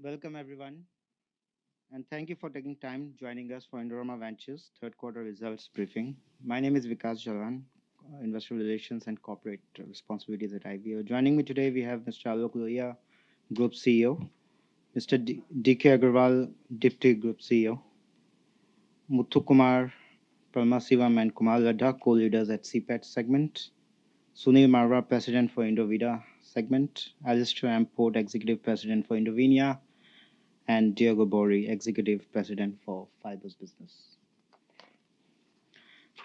Welcome, everyone. Thank you for taking time joining us for Indorama Ventures' third-quarter results briefing. My name is Vikash Jalan, Industrial Relations and Corporate Responsibility at IVL. Joining me today, we have Mr. Aloke Lohia, Group CEO; Mr. DK Agarwal, Deputy Group CEO; Muthukumar Paramasivam and Kumar Ladha, Co-Leaders at CPET Segment; Sunil Marwah, President for Indovida Segment; Alastair M. Port, Executive President for Indovinya; and Diego Boeri, Executive President for Fibers Business.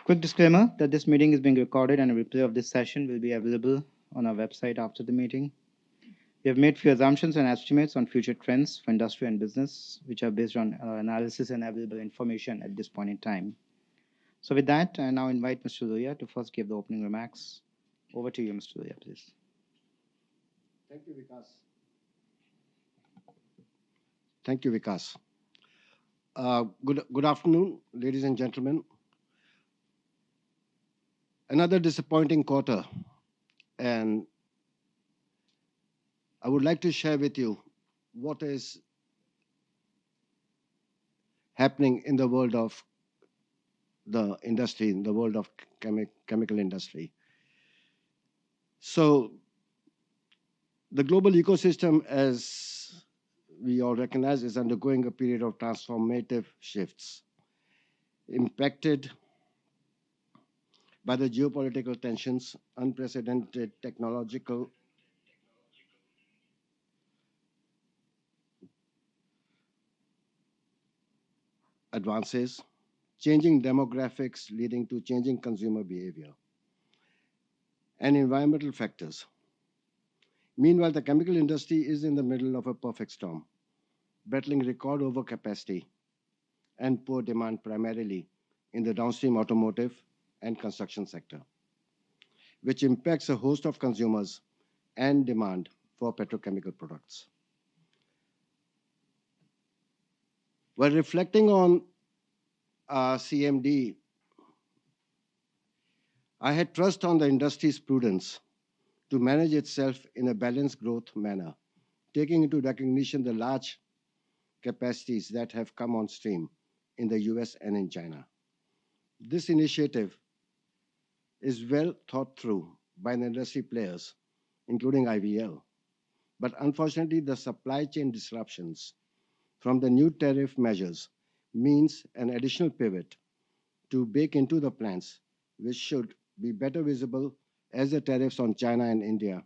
Quick disclaimer that this meeting is being recorded, and a replay of this session will be available on our website after the meeting. We have made a few assumptions and estimates on future trends for industry and business, which are based on our analysis and available information at this point in time. With that, I now invite Mr. Lohia to first give the opening remarks. Over to you, Mr. Lohia, please. Thank you, Vikash. Good afternoon, ladies and gentlemen. Another disappointing quarter. I would like to share with you what is happening in the world of the industry, in the world of the chemical industry. The global ecosystem, as we all recognize, is undergoing a period of transformative shifts, impacted by the geopolitical tensions, unprecedented technological advances, changing demographics leading to changing consumer behavior, and environmental factors. Meanwhile, the chemical industry is in the middle of a perfect storm, battling record overcapacity and poor demand, primarily in the downstream automotive and construction sector, which impacts a host of consumers and demand for petrochemical products. While reflecting on CMD, I had trust in the industry's prudence to manage itself in a balanced growth manner, taking into recognition the large capacities that have come on stream in the U.S. and in China. This initiative is well thought through by the industry players, including IVL. Unfortunately, the supply chain disruptions from the new tariff measures mean an additional pivot to bake into the plans, which should be better visible as the tariffs on China and India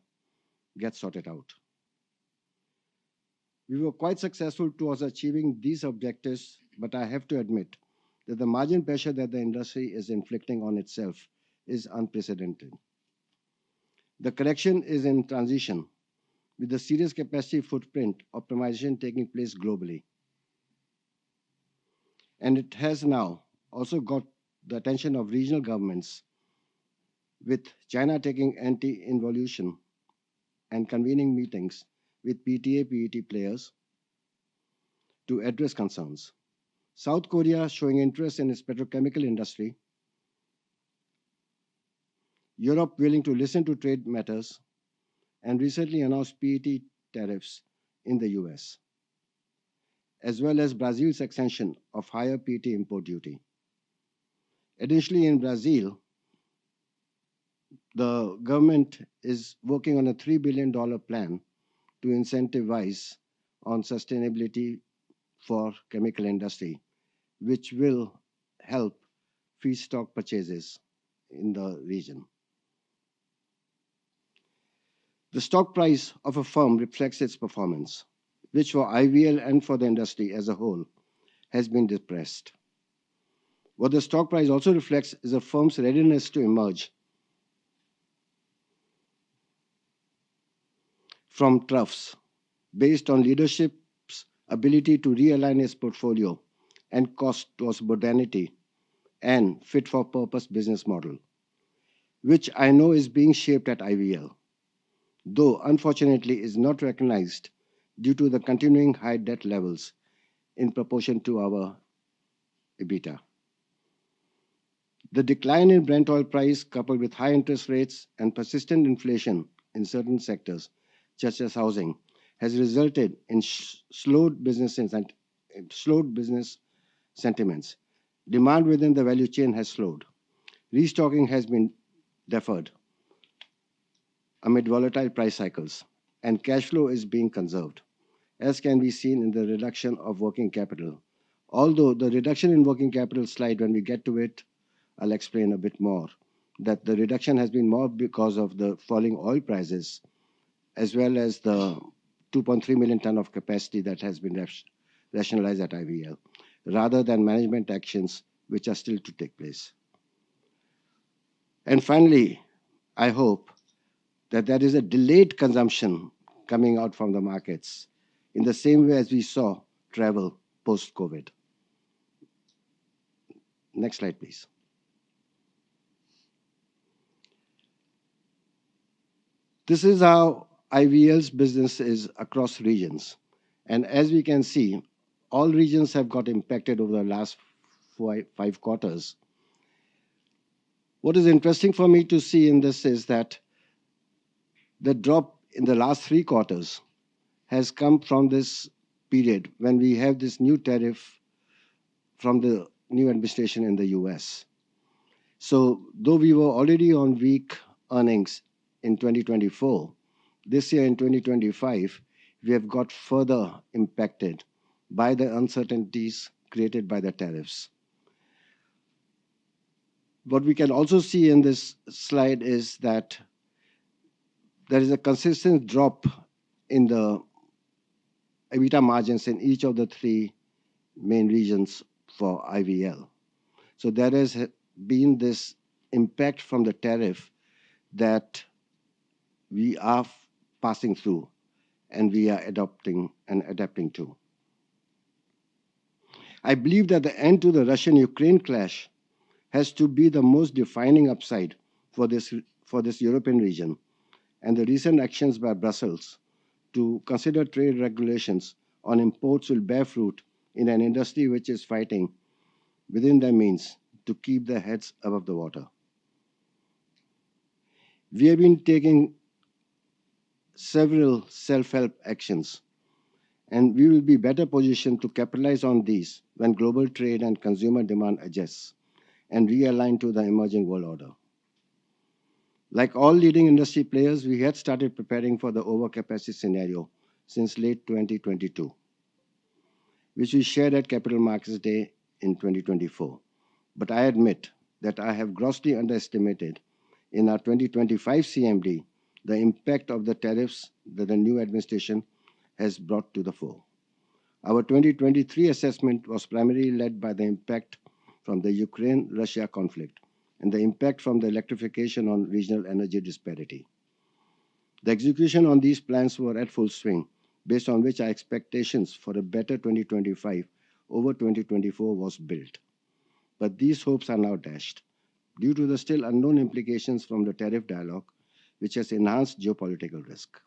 get sorted out. We were quite successful towards achieving these objectives, but I have to admit that the margin pressure that the industry is inflicting on itself is unprecedented. The correction is in transition, with the serious capacity footprint optimization taking place globally. It has now also got the attention of regional governments, with China taking anti-involution and convening meetings with PTA/PET players to address concerns. South Korea showing interest in its petrochemical industry. Europe willing to listen to trade matters and recently announced PET tariffs in the U.S., as well as Brazil's extension of higher PET import duty. Additionally, in Brazil, the government is working on a $3 billion plan to incentivize sustainability for the chemical industry, which will help feedstock purchases in the region. The stock price of a firm reflects its performance, which for IVL and for the industry as a whole has been depressed. What the stock price also reflects is a firm's readiness to emerge from troughs based on leadership's ability to realign its portfolio and cost-prosperity and fit-for-purpose business model, which I know is being shaped at IVL, though unfortunately is not recognized due to the continuing high debt levels in proportion to our EBITDA. The decline in Brent oil price, coupled with high interest rates and persistent inflation in certain sectors, such as housing, has resulted in slowed business sentiments. Demand within the value chain has slowed. Restocking has been deferred amid volatile price cycles, and cash flow is being conserved, as can be seen in the reduction of working capital. Although the reduction in working capital slide, when we get to it, I'll explain a bit more, that the reduction has been more because of the falling oil prices, as well as the 2.3 million tons of capacity that has been rationalized at IVL, rather than management actions which are still to take place. Finally, I hope that there is a delayed consumption coming out from the markets in the same way as we saw travel post-COVID. Next slide, please. This is how IVL's business is across regions. As we can see, all regions have got impacted over the last five quarters. What is interesting for me to see in this is that the drop in the last three quarters has come from this period when we have this new tariff from the new administration in the U.S. Though we were already on weak earnings in 2024, this year in 2025, we have got further impacted by the uncertainties created by the tariffs. What we can also see in this slide is that there is a consistent drop in the EBITDA margins in each of the three main regions for IVL. There has been this impact from the tariff that we are passing through and we are adopting and adapting to. I believe that the end to the Russian-Ukraine clash has to be the most defining upside for this European region. The recent actions by Brussels to consider trade regulations on imports will bear fruit in an industry which is fighting within their means to keep their heads above the water. We have been taking several self-help actions, and we will be better positioned to capitalize on these when global trade and consumer demand adjust and realign to the emerging world order. Like all leading industry players, we had started preparing for the overcapacity scenario since late 2022, which we shared at Capital Markets Day in 2024. I admit that I have grossly underestimated in our 2025 CMD the impact of the tariffs that the new administration has brought to the fore. Our 2023 assessment was primarily led by the impact from the Ukraine-Russia conflict and the impact from the electrification on regional energy disparity. The execution on these plans was at full swing, based on which our expectations for a better 2025 over 2024 were built. These hopes are now dashed due to the still unknown implications from the tariff dialogue, which has enhanced geopolitical risk.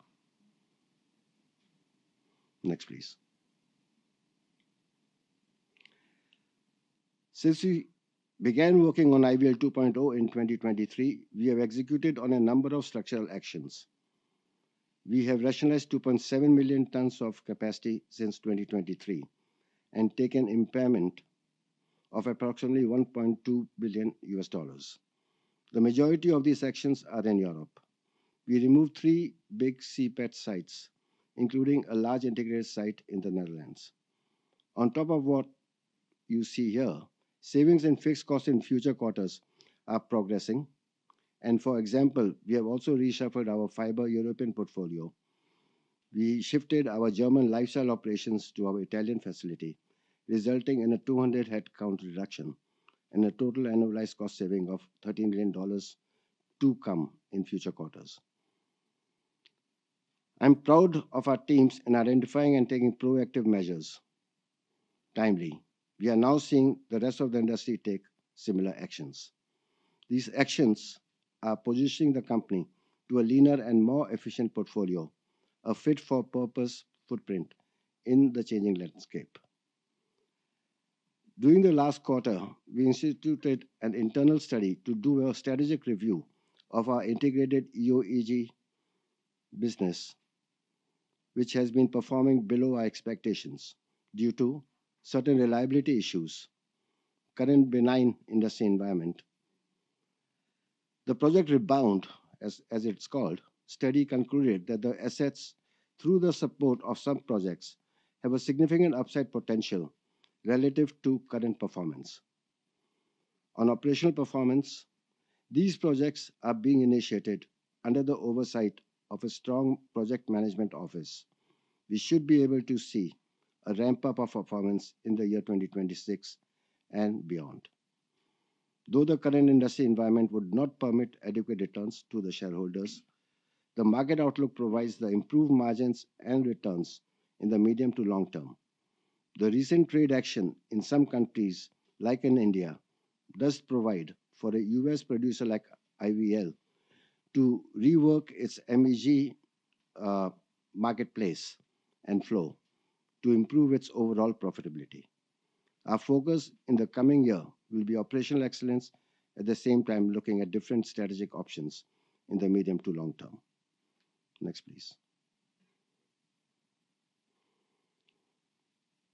Next, please. Since we began working on IVL 2.0 in 2023, we have executed on a number of structural actions. We have rationalized 2.7 million tons of capacity since 2023 and taken impairment of approximately $1.2 billion. The majority of these actions are in Europe. We removed three big CPET sites, including a large integrated site in the Netherlands. On top of what you see here, savings and fixed costs in future quarters are progressing. For example, we have also reshuffled our fiber European portfolio. We shifted our German lifestyle operations to our Italian facility, resulting in a 200 headcount reduction and a total annualized cost saving of $13 million to come in future quarters. I'm proud of our teams in identifying and taking proactive measures timely. We are now seeing the rest of the industry take similar actions. These actions are positioning the company to a leaner and more efficient portfolio, a fit-for-purpose footprint in the changing landscape. During the last quarter, we instituted an internal study to do a strategic review of our integrated EO/EG business, which has been performing below our expectations due to certain reliability issues, current benign industry environment. The Project Rebound, as it's called, study concluded that the assets, through the support of sub-projects, have a significant upside potential relative to current performance. On operational performance, these projects are being initiated under the oversight of a strong project management office, which should be able to see a ramp-up of performance in the year 2026 and beyond. Though the current industry environment would not permit adequate returns to the shareholders, the market outlook provides improved margins and returns in the medium to long term. The recent trade action in some countries, like in India, does provide for a U.S. producer like IVL to rework its MEG marketplace and flow to improve its overall profitability. Our focus in the coming year will be operational excellence, at the same time looking at different strategic options in the medium to long term. Next, please.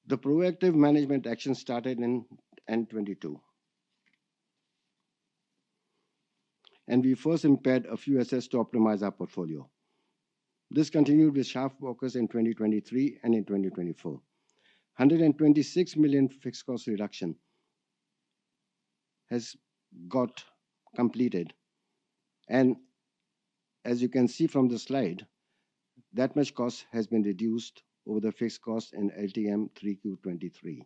The proactive management action started in 2022, and we first impaired a few assets to optimize our portfolio. This continued with shaft workers in 2023 and in 2024. $126 million fixed cost reduction has got completed. As you can see from the slide, that much cost has been reduced over the fixed cost in LTM 3Q 2023.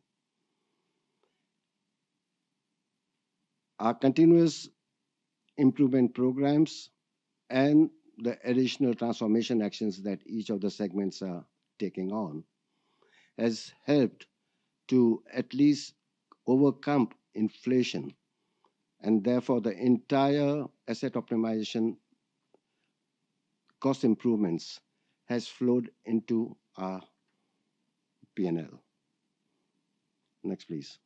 Our continuous improvement programs and the additional transformation actions that each of the segments are taking on has helped to at least overcome inflation. Therefore, the entire asset optimization cost improvements have flowed into our P&L. Next, please.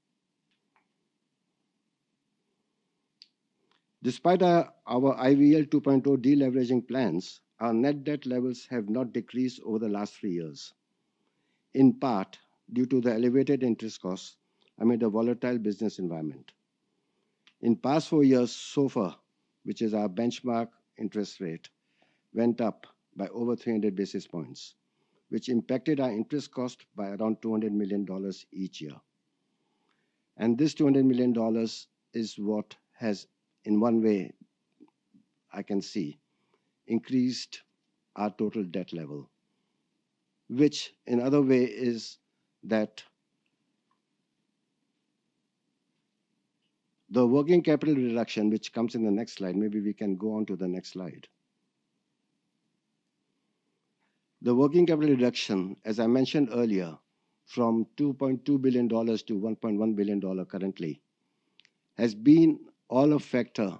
Despite our IVL 2.0 deleveraging plans, our net debt levels have not decreased over the last three years, in part due to the elevated interest costs amid a volatile business environment. In past four years, SOFR, which is our benchmark interest rate, went up by over 300 basis points, which impacted our interest cost by around $200 million each year. This $200 million is what has, in one way, I can see, increased our total debt level, which in another way is that the working capital reduction, which comes in the next slide, maybe we can go on to the next slide. The working capital reduction, as I mentioned earlier, from $2.2 billion to $1.1 billion currently has been all a factor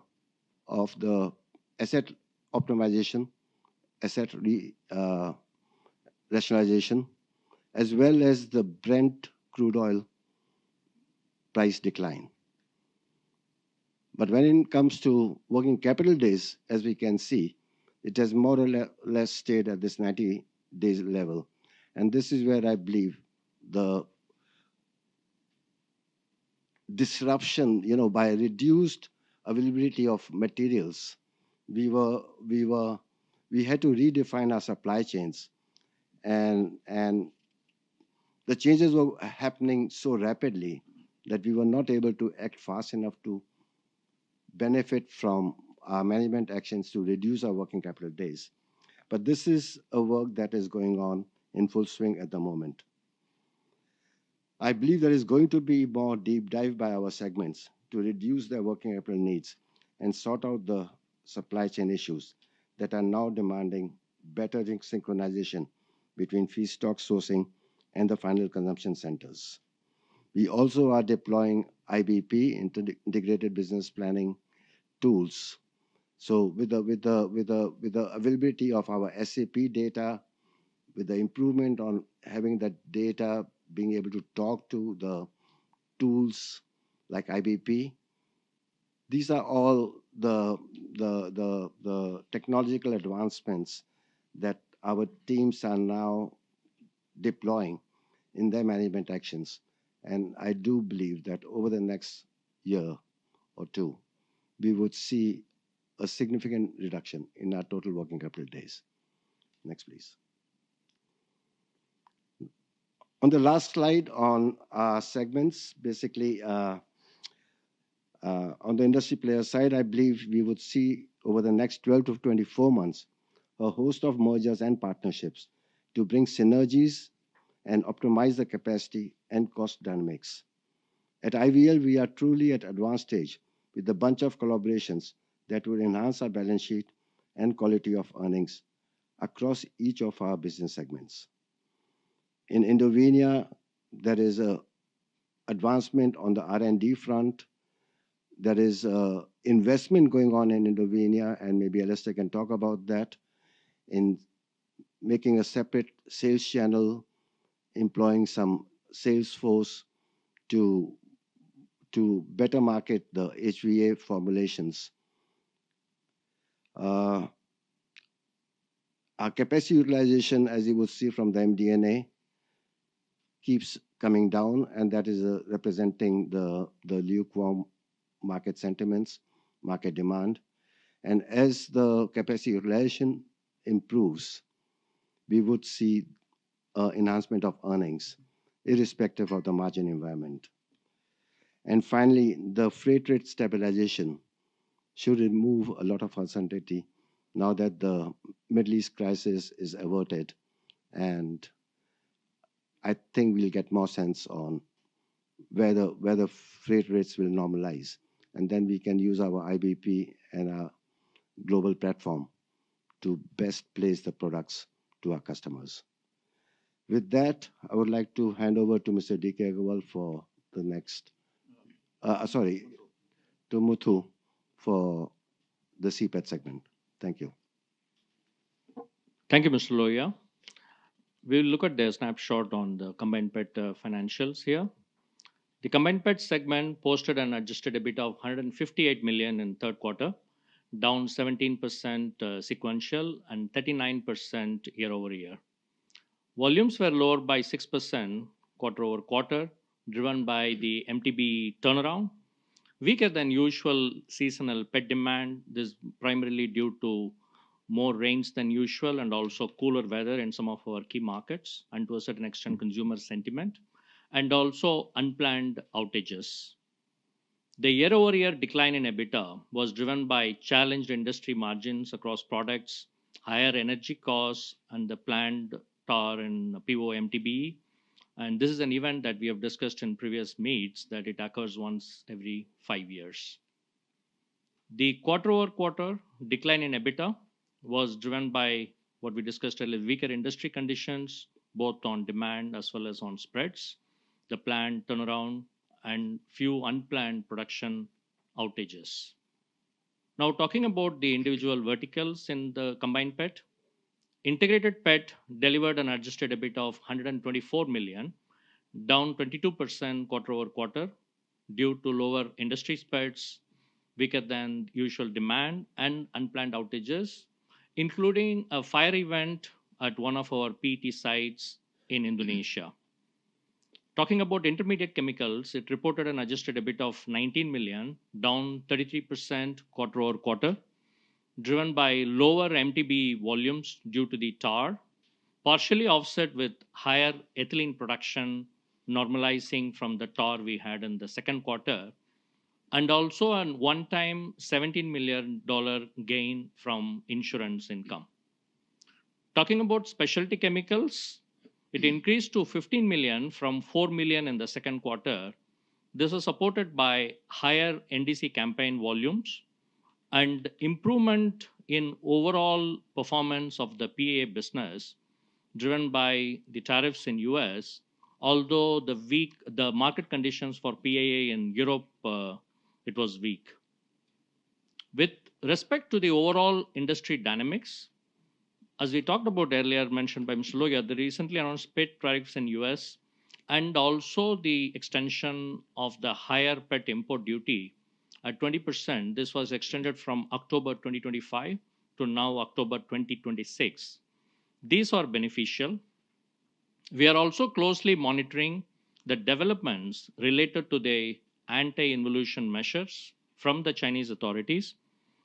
of the asset optimization, asset rationalization, as well as the Brent crude oil price decline. When it comes to working capital days, as we can see, it has more or less stayed at this 90-day level. This is where I believe the disruption by reduced availability of materials, we had to redefine our supply chains. The changes were happening so rapidly that we were not able to act fast enough to benefit from our management actions to reduce our working capital days. This is a work that is going on in full swing at the moment. I believe there is going to be more deep dive by our segments to reduce their working capital needs and sort out the supply chain issues that are now demanding better synchronization between feedstock sourcing and the final consumption centers. We also are deploying IBP, Integrated Business Planning tools. With the availability of our SAP data, with the improvement on having that data, being able to talk to the tools like IBP, these are all the technological advancements that our teams are now deploying in their management actions. I do believe that over the next year or two, we would see a significant reduction in our total working capital days. Next, please. On the last slide on our segments, basically on the industry player side, I believe we would see over the next 12 months-24 months a host of mergers and partnerships to bring synergies and optimize the capacity and cost dynamics. At IVL, we are truly at an advanced stage with a bunch of collaborations that will enhance our balance sheet and quality of earnings across each of our business segments. In Indonesia, there is an advancement on the R&D front. There is an investment going on in Indonesia, and maybe Alastair can talk about that, in making a separate sales channel, employing some sales force to better market the HVA formulations. Our capacity utilization, as you will see from the MDNA, keeps coming down, and that is representing the lukewarm market sentiments, market demand. As the capacity utilization improves, we would see an enhancement of earnings, irrespective of the margin environment. Finally, the freight rate stabilization should remove a lot of uncertainty now that the Middle East crisis is averted. I think we will get more sense on whether freight rates will normalize. We can use our IBP and our global platform to best place the products to our customers. With that, I would like to hand over to Mr. Muthukumar Paramasivam for the CPET segment. Thank you. Thank you, Mr. Lohia. We will look at the snapshot on the combined PET financials here. The combined PET segment posted an adjusted EBITDA of $158 million in the third quarter, down 17% sequential and 39% year over year. Volumes were lower by 6% quarter-over-quarter, driven by the MTBE turnaround. Weaker than usual seasonal PET demand. This is primarily due to more rains than usual and also cooler weather in some of our key markets, and to a certain extent, consumer sentiment, and also unplanned outages. The year-over-year decline in EBITDA was driven by challenged industry margins across products, higher energy costs, and the planned turnaround in PO MTBE. This is an event that we have discussed in previous meetings, that it occurs once every five years. The quarter-over-quarter decline in EBITDA was driven by what we discussed earlier, weaker industry conditions, both on demand as well as on spreads, the planned turnaround, and few unplanned production outages. Now, talking about the individual verticals in the combined PET, integrated PET delivered an adjusted EBITDA of $124 million, down 22% quarter-over-quarter due to lower industry spreads, weaker than usual demand, and unplanned outages, including a fire event at one of our PET sites in Indonesia. Talking about intermediate chemicals, it reported an adjusted EBITDA of $19 million, down 33% quarter-over-quarter, driven by lower MTBE volumes due to the turnaround, partially offset with higher ethylene production normalizing from the turnaround we had in the second quarter, and also a one-time $17 million gain from insurance income. Talking about specialty chemicals, it increased to $15 million from $4 million in the second quarter. This was supported by higher NDC campaign volumes and improvement in overall performance of the PAA business, driven by the tariffs in the U.S., although the market conditions for PAA in Europe, it was weak. With respect to the overall industry dynamics, as we talked about earlier, mentioned by Mr. Lohia, the recently announced PET tariffs in the U.S. and also the extension of the higher PET import duty at 20%, this was extended from October 2025 to now October 2026. These are beneficial. We are also closely monitoring the developments related to the anti-involution measures from the Chinese authorities,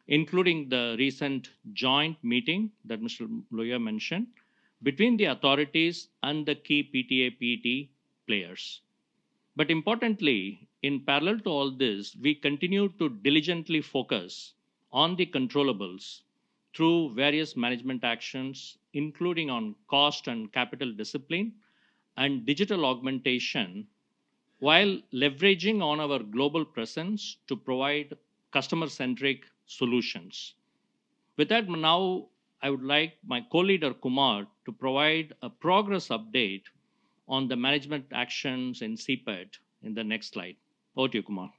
including the recent joint meeting that Mr. Lohia mentioned between the authorities and the key PTA/PET players. Importantly, in parallel to all this, we continue to diligently focus on the controllable through various management actions, including on cost and capital discipline and digital augmentation, while leveraging our global presence to provide customer-centric solutions. With that, now, I would like my co-leader, Kumar, to provide a progress update on the management actions in CPET in the next slide. Over to you, Kumar.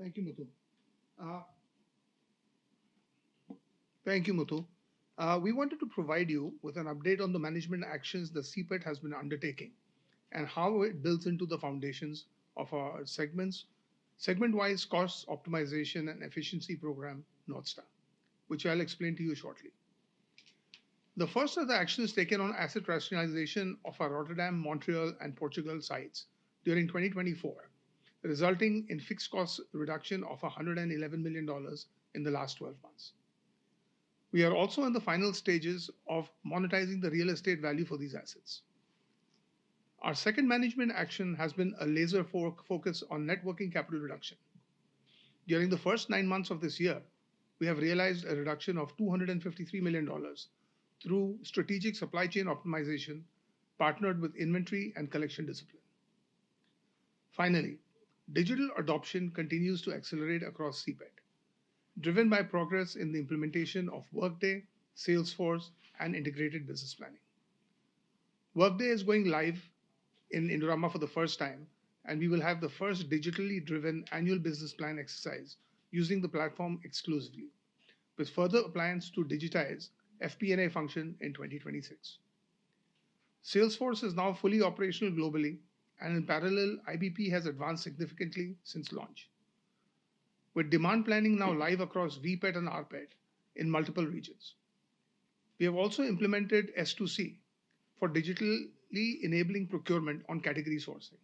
Thank you, Muthu. Thank you, Muthu. We wanted to provide you with an update on the management actions the CPET has been undertaking and how it builds into the foundations of our segment-wise cost optimization and efficiency program, Northstar, which I'll explain to you shortly. The first of the actions taken on asset rationalization of our Rotterdam, Montreal, and Portugal sites during 2024, resulting in fixed cost reduction of $111 million in the last 12 months. We are also in the final stages of monetizing the real estate value for these assets. Our second management action has been a laser focus on networking capital reduction. During the first nine months of this year, we have realized a reduction of $253 million through strategic supply chain optimization partnered with inventory and collection discipline. Finally, digital adoption continues to accelerate across CPET, driven by progress in the implementation of Workday, Salesforce, and Integrated Business Planning. Workday is going live in Indorama for the first time, and we will have the first digitally driven annual business plan exercise using the platform exclusively, with further appliance to digitize FP&A function in 2026. Salesforce is now fully operational globally, and in parallel, IBP has advanced significantly since launch, with demand planning now live across VPAT and RPAT in multiple regions. We have also implemented S2C for digitally enabling procurement on category sourcing.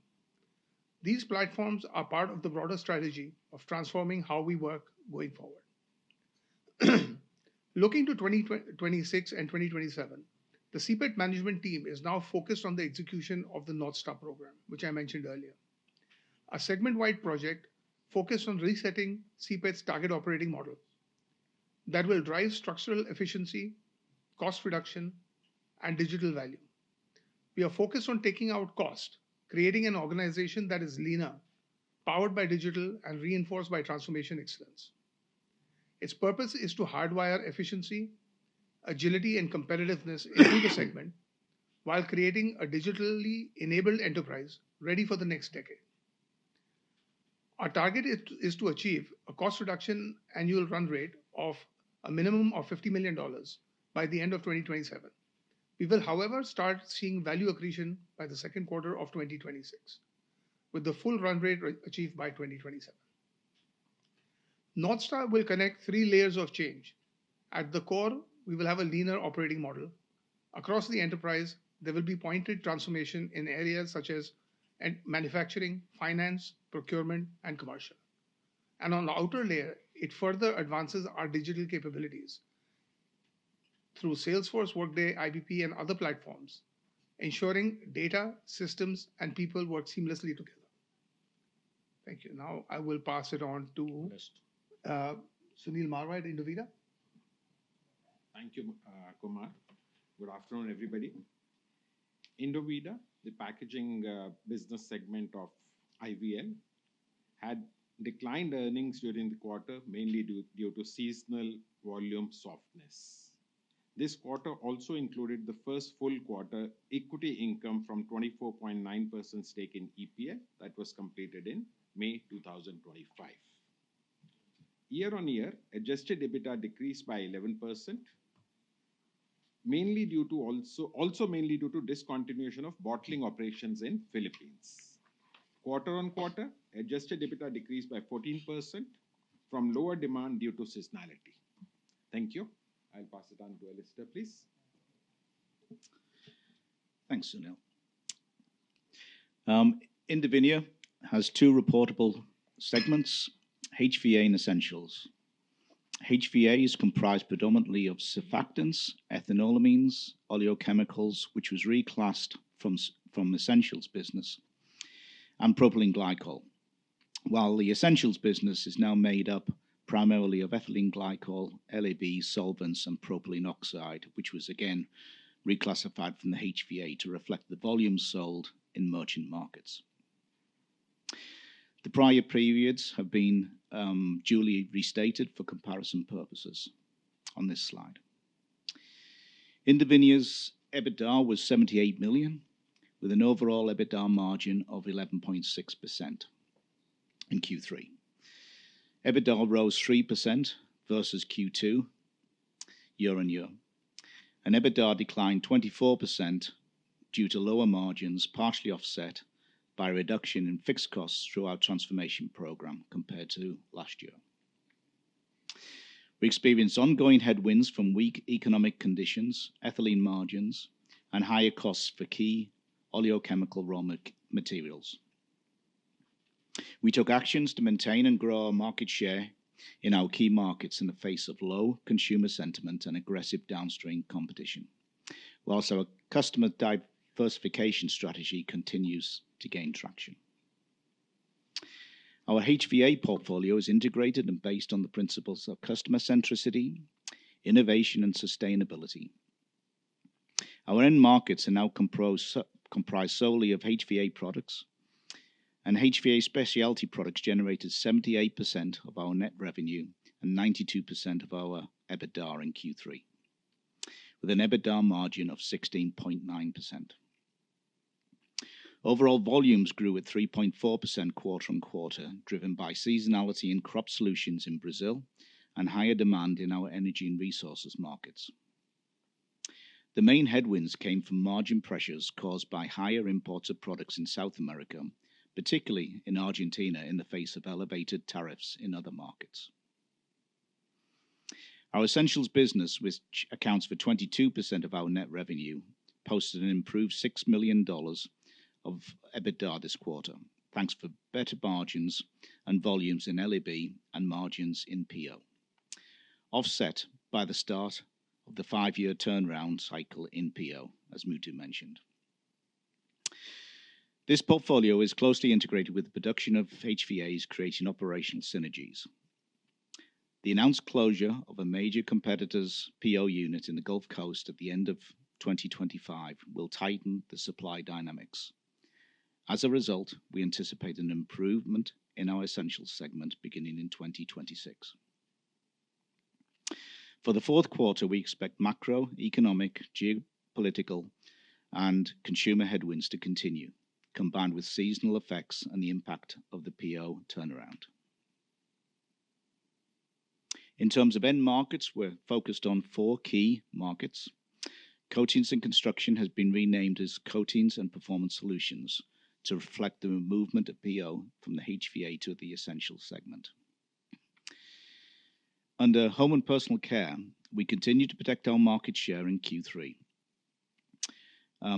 These platforms are part of the broader strategy of transforming how we work going forward. Looking to 2026 and 2027, the CPET management team is now focused on the execution of the Northstar program, which I mentioned earlier, a segment-wide project focused on resetting CPET's target operating model that will drive structural efficiency, cost reduction, and digital value. We are focused on taking out cost, creating an organization that is leaner, powered by digital and reinforced by transformation excellence. Its purpose is to hardwire efficiency, agility, and competitiveness into the segment while creating a digitally enabled enterprise ready for the next decade. Our target is to achieve a cost reduction annual run rate of a minimum of $50 million by the end of 2027. We will, however, start seeing value accretion by the second quarter of 2026, with the full run rate achieved by 2027. Northstar will connect three layers of change. At the core, we will have a leaner operating model. Across the enterprise, there will be pointed transformation in areas such as manufacturing, finance, procurement, and commercial. On the outer layer, it further advances our digital capabilities through Salesforce, Workday, IBP, and other platforms, ensuring data, systems, and people work seamlessly together. Thank you. Now, I will pass it on to Sunil Marwah at Indovida. Thank you, Kumar. Good afternoon, everybody. Indovida, the packaging business segment of IVL, had declined earnings during the quarter, mainly due to seasonal volume softness. This quarter also included the first full quarter equity income from 24.9% stake in EPL that was completed in May 2025. Year-on-year, adjusted EBITDA decreased by 11%, also mainly due to discontinuation of bottling operations in the Philippines. Quarter-on-quarter, adjusted EBITDA decreased by 14% from lower demand due to seasonality. Thank you. I'll pass it on to Alastair, please. Thanks, Sunil. Indovinya has two reportable segments, HVA and essentials. HVA is comprised predominantly of surfactants, ethanolamines, oleochemicals, which was reclassed from essentials business, and propylene glycol. While the essentials business is now made up primarily of ethylene glycol, LAB solvents, and propylene oxide, which was again reclassified from the HVA to reflect the volume sold in merchant markets. The prior periods have been duly restated for comparison purposes on this slide. Indovinya's EBITDA was $78 million, with an overall EBITDA margin of 11.6% in Q3. EBITDA rose 3% versus Q2 year-on-year. EBITDA declined 24% due to lower margins partially offset by reduction in fixed costs through our transformation program compared to last year. We experienced ongoing headwinds from weak economic conditions, ethylene margins, and higher costs for key oleochemical raw materials. We took actions to maintain and grow our market share in our key markets in the face of low consumer sentiment and aggressive downstream competition. Whilst our customer diversification strategy continues to gain traction. Our HVA portfolio is integrated and based on the principles of customer centricity, innovation, and sustainability. Our end markets are now comprised solely of HVA products, and HVA specialty products generated 78% of our net revenue and 92% of our EBITDA in Q3, with an EBITDA margin of 16.9%. Overall volumes grew with 3.4% quarter-on-quarter, driven by seasonality in crop solutions in Brazil and higher demand in our energy and resources markets. The main headwinds came from margin pressures caused by higher imports of products in South America, particularly in Argentina in the face of elevated tariffs in other markets. Our essentials business, which accounts for 22% of our net revenue, posted an improved $6 million of EBITDA this quarter, thanks for better margins and volumes in LAB and margins in PO, offset by the start of the five-year turnaround cycle in PO, as Muthu mentioned. This portfolio is closely integrated with the production of HVAs, creating operational synergies. The announced closure of a major competitor's PO unit in the Gulf Coast at the end of 2025 will tighten the supply dynamics. As a result, we anticipate an improvement in our essentials segment beginning in 2026. For the fourth quarter, we expect macro, economic, geopolitical, and consumer headwinds to continue, combined with seasonal effects and the impact of the PO turnaround. In terms of end markets, we're focused on four key markets. Coatings and construction has been renamed as Coatings and Performance Solutions to reflect the movement of PO from the HVA to the essentials segment. Under home and personal care, we continue to protect our market share in Q3,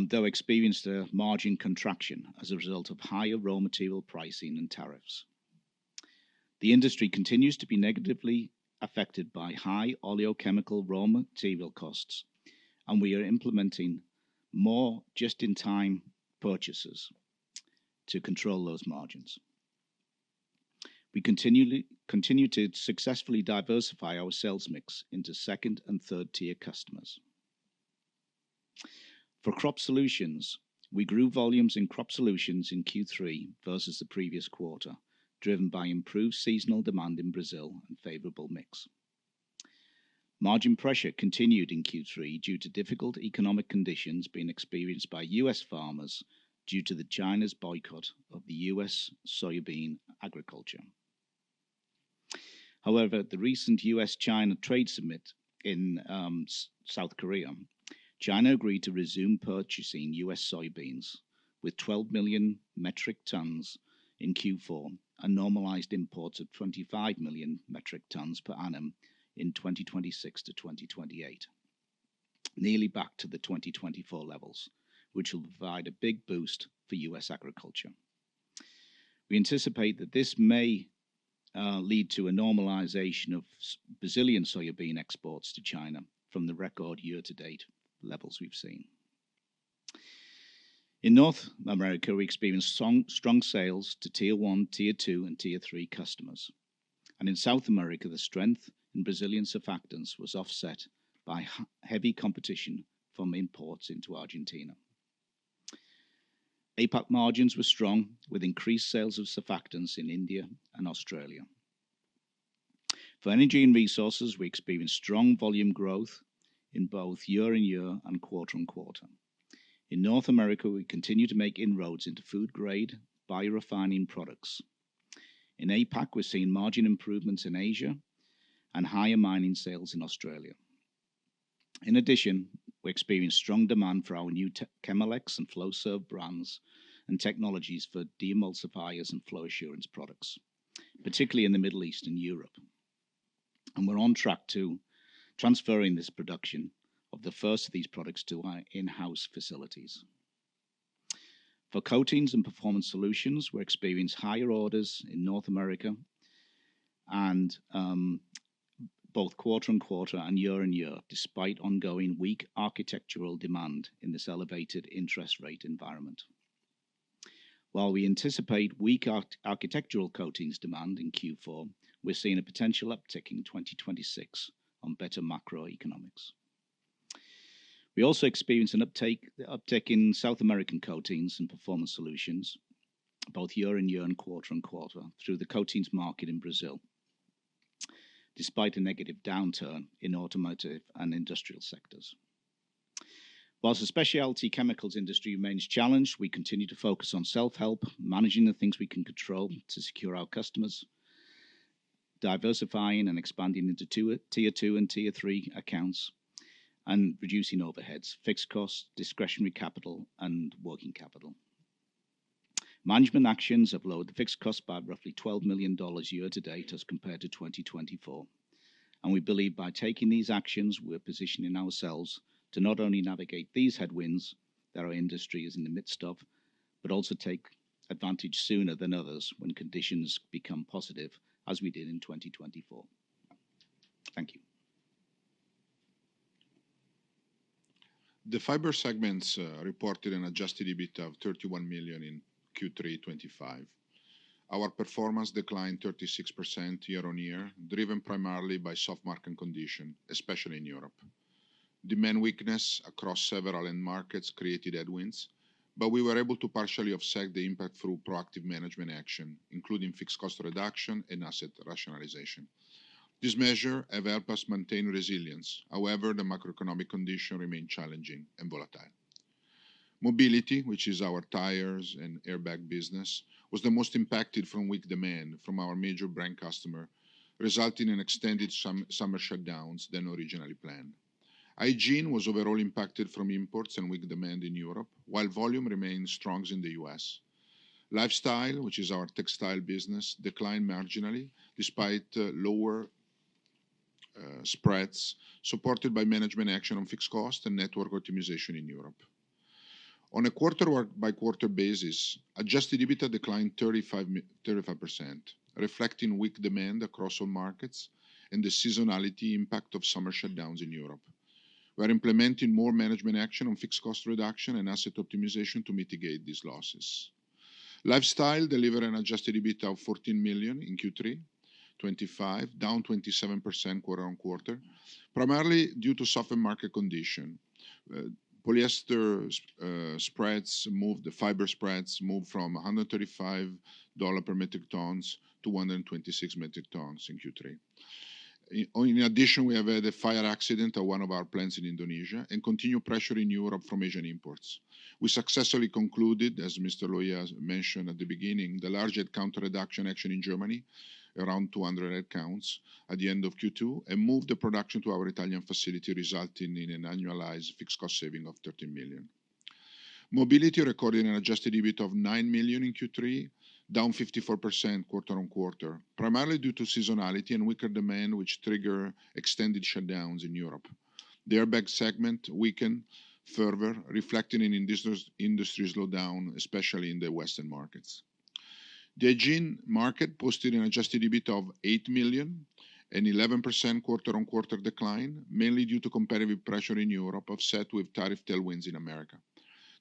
though experienced a margin contraction as a result of higher raw material pricing and tariffs. The industry continues to be negatively affected by high oleochemical raw material costs, and we are implementing more just-in-time purchases to control those margins. We continue to successfully diversify our sales mix into second and third-tier customers. For crop solutions, we grew volumes in crop solutions in Q3 versus the previous quarter, driven by improved seasonal demand in Brazil and favorable mix. Margin pressure continued in Q3 due to difficult economic conditions being experienced by U.S. farmers due to China's boycott of U.S. soybean agriculture. However, at the recent U.S.-China trade summit in South Korea, China agreed to resume purchasing U.S. soybeans with 12 million metric tons in Q4 and normalized imports of 25 million metric tons per annum in 2026 to 2028, nearly back to the 2024 levels, which will provide a big boost for U.S. agriculture. We anticipate that this may lead to a normalization of Brazilian soybean exports to China from the record year-to-date levels we've seen. In North America, we experienced strong sales to tier one, tier two, and tier three customers. In South America, the strength in Brazilian surfactants was offset by heavy competition from imports into Argentina. APAC margins were strong with increased sales of surfactants in India and Australia. For energy and resources, we experienced strong volume growth in both year-on-year and quarter-on-quarter. In North America, we continue to make inroads into food-grade biorefining products. In APAC, we're seeing margin improvements in Asia and higher mining sales in Australia. In addition, we experience strong demand for our new chemolecs and flow serve brands and technologies for de-emulsifiers and flow assurance products, particularly in the Middle East and Europe. We are on track to transferring this production of the first of these products to our in-house facilities. For coatings and performance solutions, we are experiencing higher orders in North America both quarter-on-quarter and year-on-year, despite ongoing weak architectural demand in this elevated interest rate environment. While we anticipate weak architectural coatings demand in Q4, we are seeing a potential uptick in 2026 on better macroeconomics. We also experience an uptick in South American coatings and performance solutions both year-on-year and quarter-on-quarter through the coatings market in Brazil, despite a negative downturn in automotive and industrial sectors. Whilst the specialty chemicals industry remains challenged, we continue to focus on self-help, managing the things we can control to secure our customers, diversifying and expanding into tier two and tier three accounts, and reducing overheads, fixed costs, discretionary capital, and working capital. Management actions have lowered the fixed costs by roughly $12 million year-to-date as compared to 2024. We believe by taking these actions, we're positioning ourselves to not only navigate these headwinds that our industry is in the midst of, but also take advantage sooner than others when conditions become positive, as we did in 2024. Thank you. The fiber segments reported an adjusted EBITDA of $31 million in Q3 2025. Our performance declined 36% year-on-year, driven primarily by soft market conditions, especially in Europe. Demand weakness across several end markets created headwinds, but we were able to partially offset the impact through proactive management action, including fixed cost reduction and asset rationalization. This measure has helped us maintain resilience. However, the macroeconomic conditions remain challenging and volatile. Mobility, which is our tires and airbag business, was the most impacted from weak demand from our major brand customer, resulting in extended summer shutdowns than originally planned. Hygiene was overall impacted from imports and weak demand in Europe, while volume remained strong in the U.S. Lifestyle, which is our textile business, declined marginally despite lower spreads, supported by management action on fixed costs and network optimization in Europe. On a quarter-by-quarter basis, adjusted EBITDA declined 35%, reflecting weak demand across all markets and the seasonality impact of summer shutdowns in Europe. We are implementing more management action on fixed cost reduction and asset optimization to mitigate these losses. Lifestyle delivered an adjusted EBITDA of $14 million in Q3 2025, down 27% quarter-on-quarter, primarily due to softened market conditions. Polyester spreads moved, the fiber spreads moved from $135 per metric ton to $126 per metric ton in Q3. In addition, we have had a fire accident at one of our plants in Indonesia and continued pressure in Europe from Asian imports. We successfully concluded, as Mr. Lohia mentioned at the beginning, the large headcount reduction action in Germany, around 200 headcount, at the end of Q2 and moved the production to our Italian facility, resulting in an annualized fixed cost saving of $13 million. Mobility recorded an adjusted EBITDA of $9 million in Q3, down 54% quarter-on-quarter, primarily due to seasonality and weaker demand, which triggered extended shutdowns in Europe. The airbag segment weakened further, reflecting an industry slowdown, especially in the Western markets. The hygiene market posted an adjusted EBITDA of $8 million and 11% quarter-on-quarter decline, mainly due to competitive pressure in Europe, offset with tariff tailwinds in America.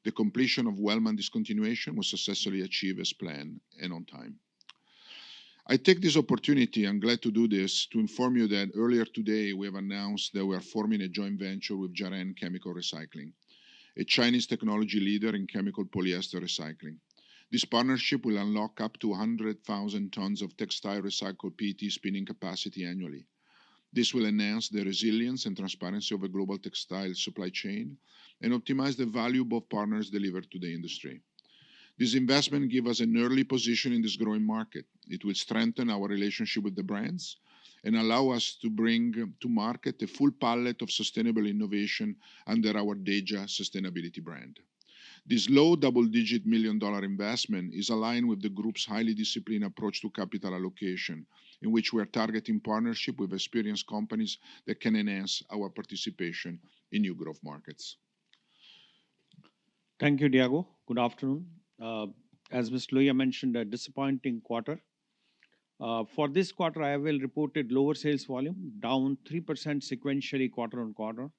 The completion of Wellman discontinuation was successfully achieved as planned and on time. I take this opportunity, I'm glad to do this, to inform you that earlier today, we have announced that we are forming a joint venture with Jiaran Chemical Recycling, a Chinese technology leader in chemical polyester recycling. This partnership will unlock up to 100,000 tons of textile recycled PET spinning capacity annually. This will enhance the resilience and transparency of the global textile supply chain and optimize the value both partners deliver to the industry. This investment gives us an early position in this growing market. It will strengthen our relationship with the brands and allow us to bring to market a full palette of sustainable innovation under our DEJA sustainability brand. This low double-digit million-dollar investment is aligned with the group's highly disciplined approach to capital allocation, in which we are targeting partnership with experienced companies that can enhance our participation in new growth markets. Thank you, Diego. Good afternoon. As Mr. Lohia mentioned, a disappointing quarter. For this quarter, IVL reported lower sales volume, down 3% sequentially quarter-on-quarter,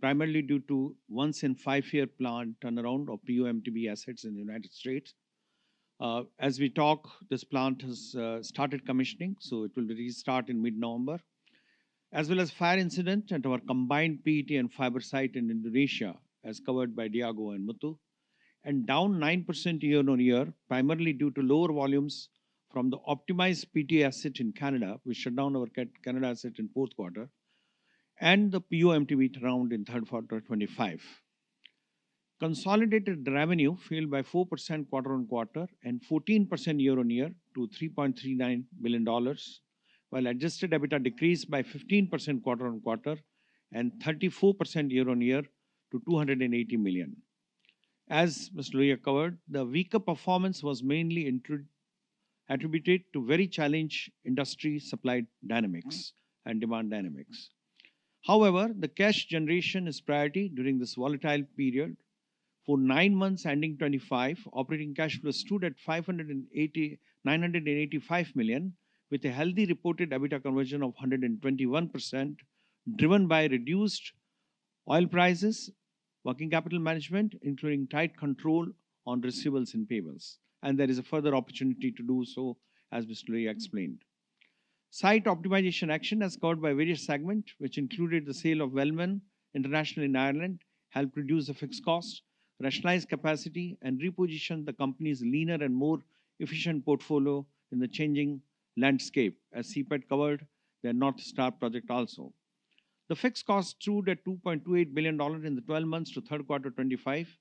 primarily due to once-in-five-year plant turnaround of PO MTBE assets in the United States. As we talk, this plant has started commissioning, so it will restart in mid-November, as well as fire incidents at our combined PET and fiber site in Indonesia, as covered by Diego and Muthu, and down 9% year-on-year, primarily due to lower volumes from the optimized PET asset in Canada, which shut down our Canada asset in fourth quarter, and the PO MTBE turnaround in third quarter 2025. Consolidated revenue fell by 4% quarter-on-quarter and 14% year-on-year to $3.39 billion, while adjusted EBITDA decreased by 15% quarter-on-quarter and 34% year-on-year to $280 million. As Mr. Lohia covered, the weaker performance was mainly attributed to very challenged industry supply dynamics and demand dynamics. However, the cash generation is a priority during this volatile period. For nine months ending 2025, operating cash flow stood at $985 million, with a healthy reported EBITDA conversion of 121%, driven by reduced oil prices, working capital management, including tight control on receivables and payables. There is a further opportunity to do so, as Mr. Lohia explained. Site optimization action has occurred by various segments, which included the sale of Wellman International in Ireland, helped reduce the fixed cost, rationalize capacity, and reposition the company's leaner and more efficient portfolio in the changing landscape, as CPET covered their Northstar project also. The fixed cost stood at $2.28 billion in the 12 months to third quarter 2025,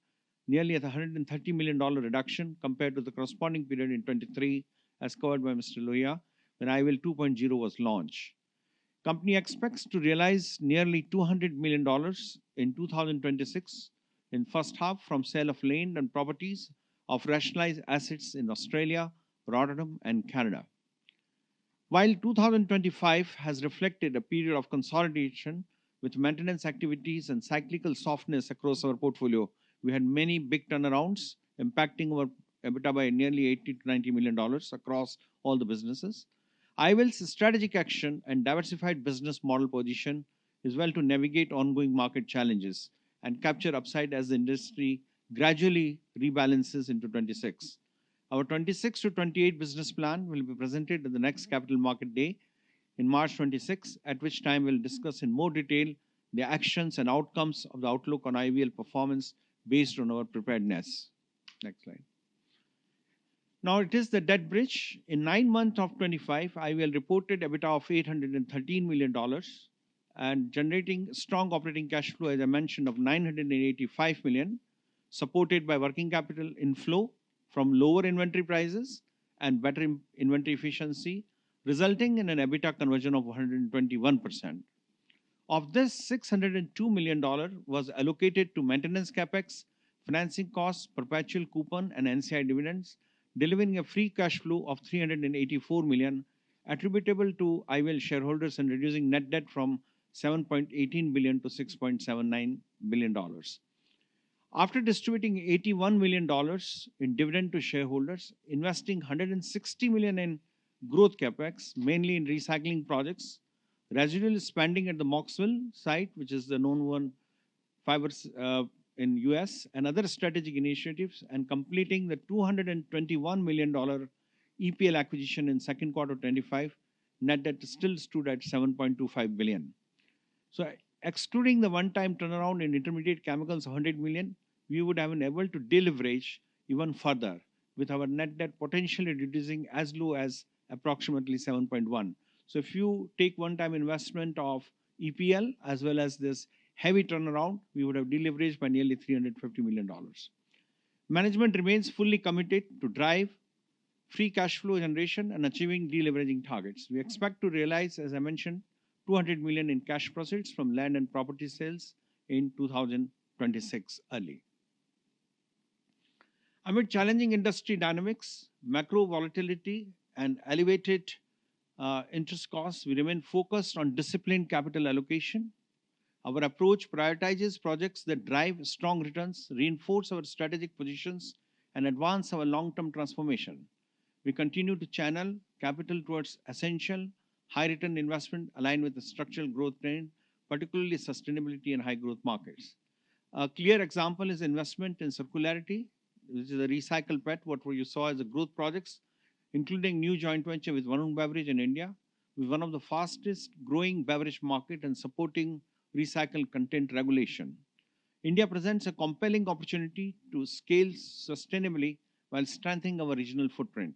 nearly a $130 million reduction compared to the corresponding period in 2023, as covered by Mr. Lohia, when IVL 2.0 was launched. Company expects to realize nearly $200 million in 2026 in the first half from sale of land and properties of rationalized assets in Australia, Rotterdam, and Canada. While 2025 has reflected a period of consolidation with maintenance activities and cyclical softness across our portfolio, we had many big turnarounds impacting our EBITDA by nearly $80 million-$90 million across all the businesses. IVL's strategic action and diversified business model position us well to navigate ongoing market challenges and capture upside as the industry gradually rebalances into 2026. Our 2026 to 2028 business plan will be presented at the next capital market day in March 2026, at which time we'll discuss in more detail the actions and outcomes of the outlook on IVL performance based on our preparedness. Next slide. Now, it is the debt bridge. In nine months of 2025, IVL reported EBITDA of $813 million and generating strong operating cash flow, as I mentioned, of $985 million, supported by working capital inflow from lower inventory prices and better inventory efficiency, resulting in an EBITDA conversion of 121%. Of this, $602 million was allocated to maintenance capex, financing costs, perpetual coupon, and NCI dividends, delivering a free cash flow of $384 million, attributable to IVL shareholders and reducing net debt from $7.18 billion to $6.79 billion. After distributing $81 million in dividend to shareholders, investing $160 million in growth capex, mainly in recycling projects, residual spending at the Mocksville site, which is the known one fiber in the U.S., and other strategic initiatives, and completing the $221 million EPL acquisition in second quarter 2025, net debt still stood at $7.25 billion. Excluding the one-time turnaround in intermediate chemicals of $100 million, we would have been able to deleverage even further, with our net debt potentially reducing as low as approximately $7.1 billion. If you take the one-time investment of EPL as well as this heavy turnaround, we would have deleveraged by nearly $350 million. Management remains fully committed to drive free cash flow generation and achieving deleveraging targets. We expect to realize, as I mentioned, $200 million in cash profits from land and property sales in 2026 early. Amid challenging industry dynamics, macro volatility, and elevated interest costs, we remain focused on disciplined capital allocation. Our approach prioritizes projects that drive strong returns, reinforce our strategic positions, and advance our long-term transformation. We continue to channel capital towards essential, high-return investment aligned with the structural growth trend, particularly sustainability and high-growth markets. A clear example is investment in circularity, which is a recycled bet, what you saw as the growth projects, including new joint venture with Varun Beverages in India, with one of the fastest-growing beverage markets and supporting recycled content regulation. India presents a compelling opportunity to scale sustainably while strengthening our regional footprint.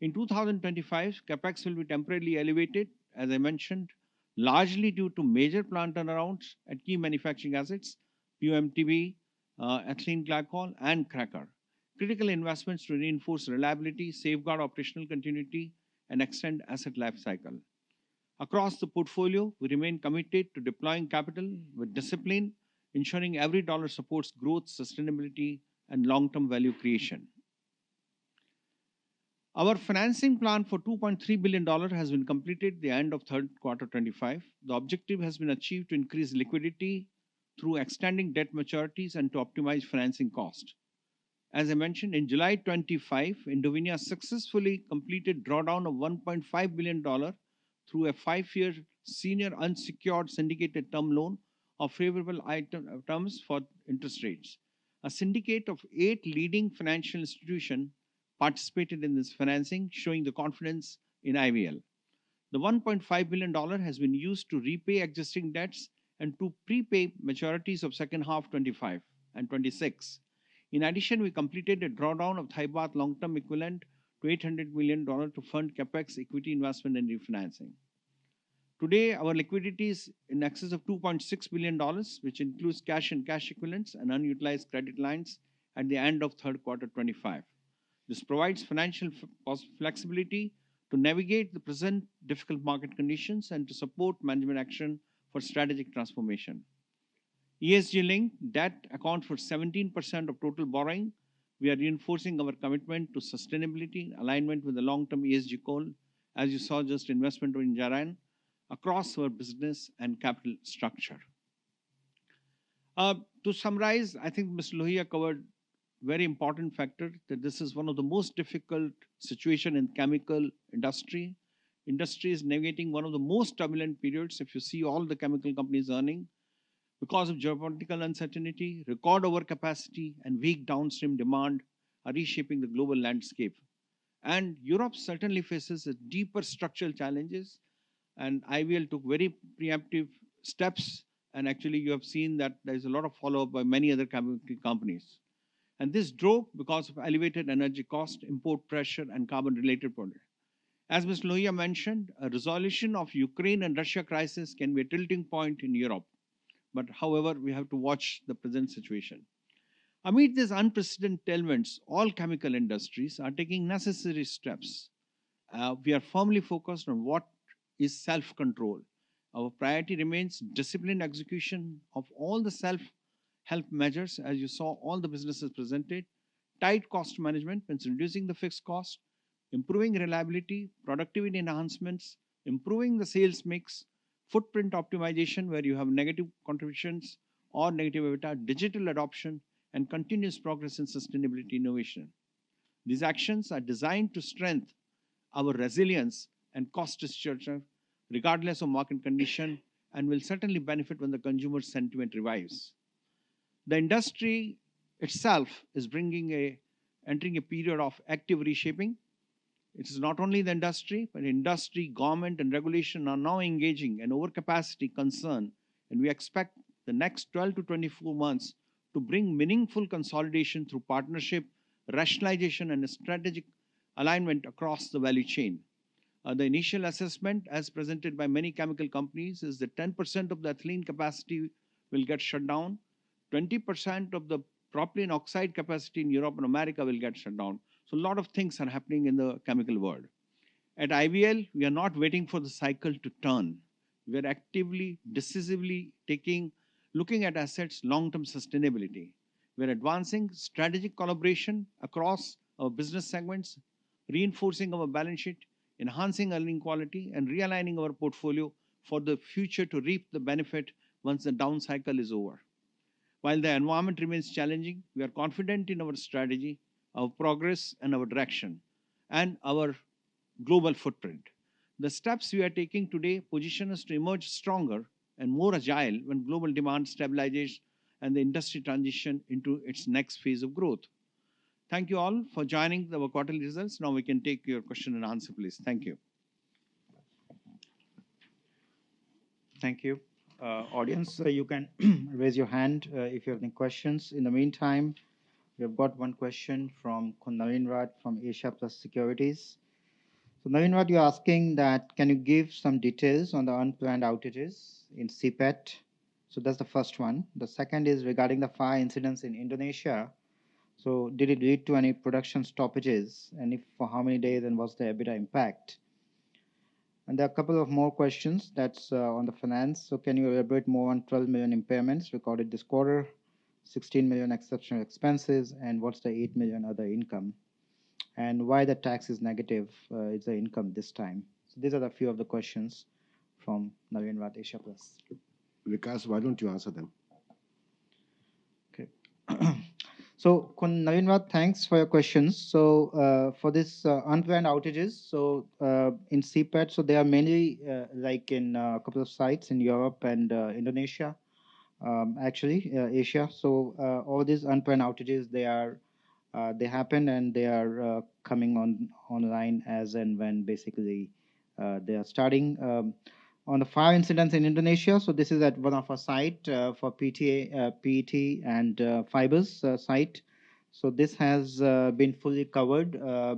In 2025, CapEx will be temporarily elevated, as I mentioned, largely due to major plant turnarounds at key manufacturing assets, PO, MTBE, ethylene glycol, and cracker. Critical investments to reinforce reliability, safeguard operational continuity, and extend asset lifecycle. Across the portfolio, we remain committed to deploying capital with discipline, ensuring every dollar supports growth, sustainability, and long-term value creation. Our financing plan for $2.3 billion has been completed at the end of third quarter 2025. The objective has been achieved to increase liquidity through extending debt maturities and to optimize financing cost. As I mentioned, in July 2025, Indovinya successfully completed drawdown of $1.5 billion through a five-year senior unsecured syndicated term loan on favorable terms for interest rates. A syndicate of eight leading financial institutions participated in this financing, showing the confidence in IVL. The $1.5 billion has been used to repay existing debts and to prepay maturities of second half 2025 and 2026. In addition, we completed a drawdown of Thai Baht long-term equivalent to $800 million to fund CapEx, equity investment, and refinancing. Today, our liquidity is in excess of $2.6 billion, which includes cash and cash equivalents and unutilized credit lines at the end of third quarter 2025. This provides financial flexibility to navigate the present difficult market conditions and to support management action for strategic transformation. ESG-linked debt accounts for 17% of total borrowing. We are reinforcing our commitment to sustainability in alignment with the long-term ESG goal, as you saw just investment in Jiaran across our business and capital structure. To summarize, I think Mr. Lohia covered a very important factor, that this is one of the most difficult situations in the chemical industry. Industry is navigating one of the most turbulent periods. If you see all the chemical companies earning, because of geopolitical uncertainty, record overcapacity, and weak downstream demand are reshaping the global landscape. Europe certainly faces deeper structural challenges, and IVL took very preemptive steps. Actually, you have seen that there is a lot of follow-up by many other chemical companies. This drove because of elevated energy cost, import pressure, and carbon-related problems. As Mr. Lohia mentioned, a resolution of the Ukraine and Russia crisis can be a tilting point in Europe. However, we have to watch the present situation. Amid these unprecedented elements, all chemical industries are taking necessary steps. We are firmly focused on what is self-control. Our priority remains disciplined execution of all the self-help measures, as you saw all the businesses presented. Tight cost management means reducing the fixed cost, improving reliability, productivity enhancements, improving the sales mix, footprint optimization where you have negative contributions or negative EBITDA, digital adoption, and continuous progress in sustainability innovation. These actions are designed to strengthen our resilience and cost structure, regardless of market condition, and will certainly benefit when the consumer sentiment revives. The industry itself is entering a period of active reshaping. It is not only the industry, but industry, government, and regulation are now engaging in overcapacity concern, and we expect the next 12 months-24 months to bring meaningful consolidation through partnership, rationalization, and strategic alignment across the value chain. The initial assessment, as presented by many chemical companies, is that 10% of the ethylene capacity will get shut down, 20% of the propylene oxide capacity in Europe and America will get shut down. A lot of things are happening in the chemical world. At IVL, we are not waiting for the cycle to turn. We are actively, decisively looking at assets' long-term sustainability. We are advancing strategic collaboration across our business segments, reinforcing our balance sheet, enhancing earning quality, and realigning our portfolio for the future to reap the benefit once the down cycle is over. While the environment remains challenging, we are confident in our strategy, our progress, and our direction, and our global footprint. The steps we are taking today position us to emerge stronger and more agile when global demand stabilizes and the industry transitions into its next phase of growth. Thank you all for joining our quarterly results. Now we can take your question and answer, please. Thank you. Thank you, audience. You can raise your hand if you have any questions. In the meantime, we have got one question from Nalinrat from Asia Plus Securities. Nalinrat, you're asking that can you give some details on the unplanned outages in CPET? That is the first one. The second is regarding the fire incidents in Indonesia. Did it lead to any production stoppages? If so, for how many days? And what is the EBITDA impact? There are a couple more questions on the finance. Can you elaborate more on $12 million impairments recorded this quarter, $16 million exceptional expenses, and what's the $8 million other income? Why is the tax negative? It's the income this time. These are a few of the questions from Nalinrat, Asia Plus. Vikash, why don't you answer them? Okay. Nalinrat, thanks for your questions. For these unplanned outages in CPET, there are many, like in a couple of sites in Europe and Indonesia, actually Asia. All these unplanned outages happen and they are coming online as and when basically they are starting. On the fire incidents in Indonesia, this is at one of our sites for PET and fibers site. This has been fully covered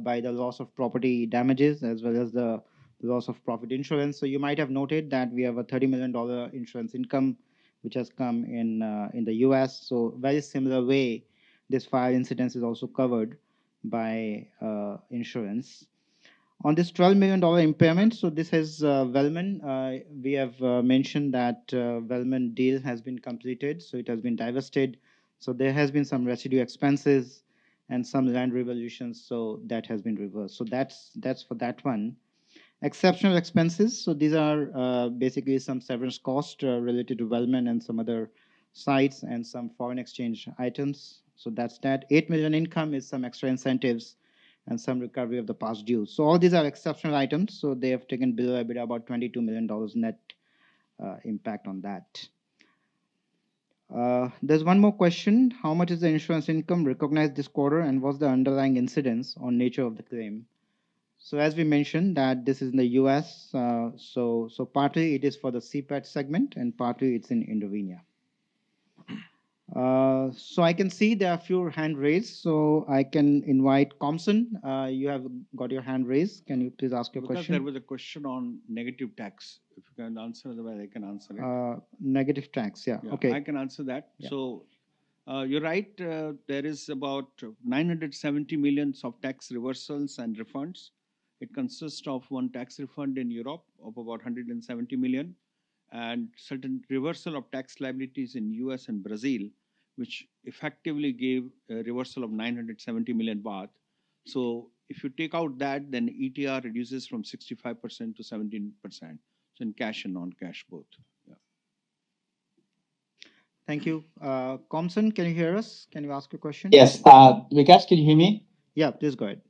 by the loss of property damages as well as the loss of profit insurance. You might have noted that we have a $30 million insurance income, which has come in the U.S. In a very similar way, this fire incident is also covered by insurance. On this $12 million impairment, this is Wellman. We have mentioned that the Wellman deal has been completed, so it has been divested. There have been some residual expenses and some land revaluations, so that has been reversed. That is for that one. Exceptional expenses, these are basically some severance costs related to Wellman and some other sites and some foreign exchange items. That is that. $8 million income is some extra incentives and some recovery of the past dues. All these are exceptional items. They have taken below EBITDA about $22 million net impact on that. There's one more question. How much is the insurance income recognized this quarter? And what's the underlying incidence on nature of the claim? As we mentioned, this is in the U.S., so partly it is for the CPET segment and partly it's in Indovinya. I can see there are a few hands raised, so I can invite Komsun. You have got your hand raised. Can you please ask your question? I thought there was a question on negative tax. If you can answer, the way I can answer it. Negative tax, yeah. Okay. I can answer that. You're right. There is about 970 million of tax reversals and refunds. It consists of one tax refund in Europe of about $170 million and certain reversal of tax liabilities in the US and Brazil, which effectively gave a reversal of 970 million baht. If you take out that, then ETR reduces from 65% to 17%. In cash and non-cash both. Yeah. Thank you. Komsun, can you hear us? Can you ask your question? Yes. Vikash, can you hear me? Yeah, please go ahead.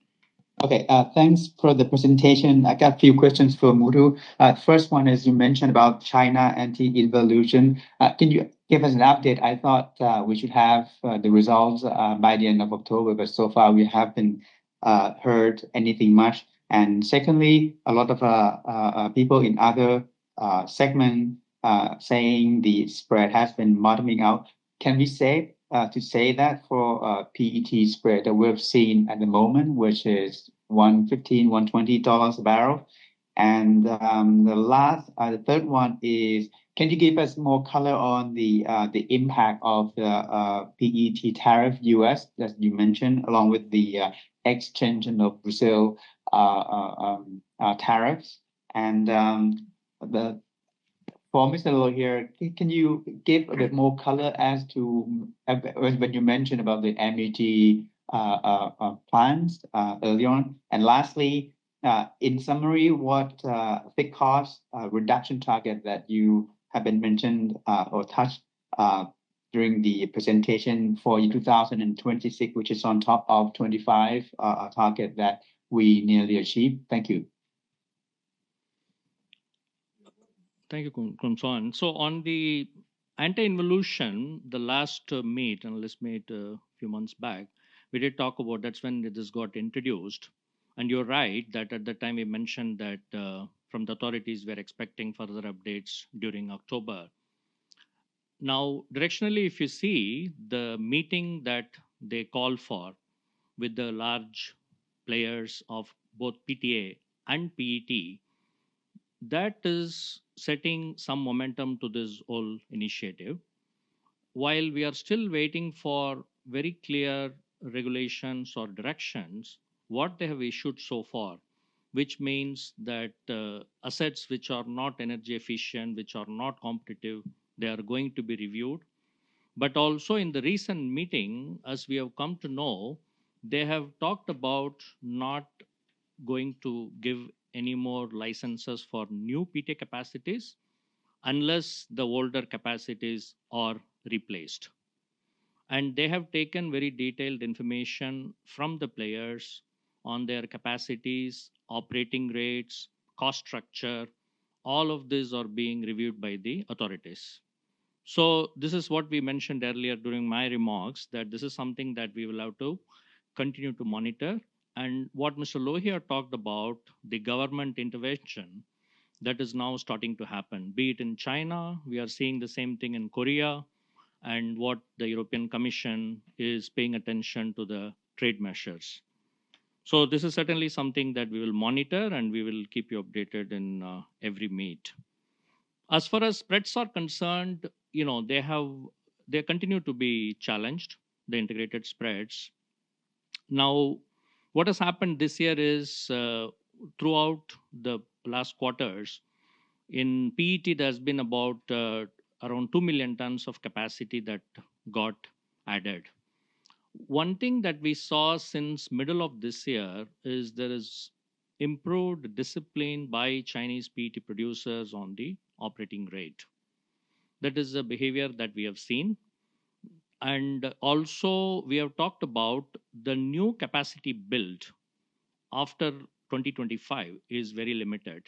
Okay. Thanks for the presentation. I got a few questions for Muthu. The first one is you mentioned about China anti-involution. Can you give us an update? I thought we should have the results by the end of October, but so far we haven't heard anything much. Secondly, a lot of people in other segments saying the spread has been bottoming out. Can we say that for PET spread that we've seen at the moment, which is $115, $120 a barrel? The last, the third one is, can you give us more color on the impact of the PET tariff U.S., as you mentioned, along with the exchange and Brazil tariffs? For Mr. Lohia, can you give a bit more color as to when you mentioned about the MET plans earlier on? Lastly, in summary, what fixed cost reduction target that you have been mentioned or touched during the presentation for 2026, which is on top of 2025 target that we nearly achieved? Thank you. Thank you, Komsun. On the anti-involution, the last analyst meet a few months back, we did talk about that's when this got introduced. You are right that at the time we mentioned that from the authorities we are expecting further updates during October. Now, directionally, if you see the meeting that they called for with the large players of both PET and PET, that is setting some momentum to this whole initiative. While we are still waiting for very clear regulations or directions, what they have issued so far, which means that assets which are not energy efficient, which are not competitive, are going to be reviewed. Also, in the recent meeting, as we have come to know, they have talked about not going to give any more licenses for new PET capacities unless the older capacities are replaced. They have taken very detailed information from the players on their capacities, operating rates, cost structure. All of these are being reviewed by the authorities. This is what we mentioned earlier during my remarks that this is something that we will have to continue to monitor. What Mr. Lohia talked about, the government intervention that is now starting to happen, be it in China, we are seeing the same thing in Korea, and what the European Commission is paying attention to, the trade measures. This is certainly something that we will monitor and we will keep you updated in every meet. As far as spreads are concerned, they continue to be challenged, the integrated spreads. Now, what has happened this year is throughout the last quarters, in PET, there has been about around 2 million tons of capacity that got added. One thing that we saw since middle of this year is there is improved discipline by Chinese PET producers on the operating rate. That is a behavior that we have seen. We have talked about the new capacity build after 2025 is very limited.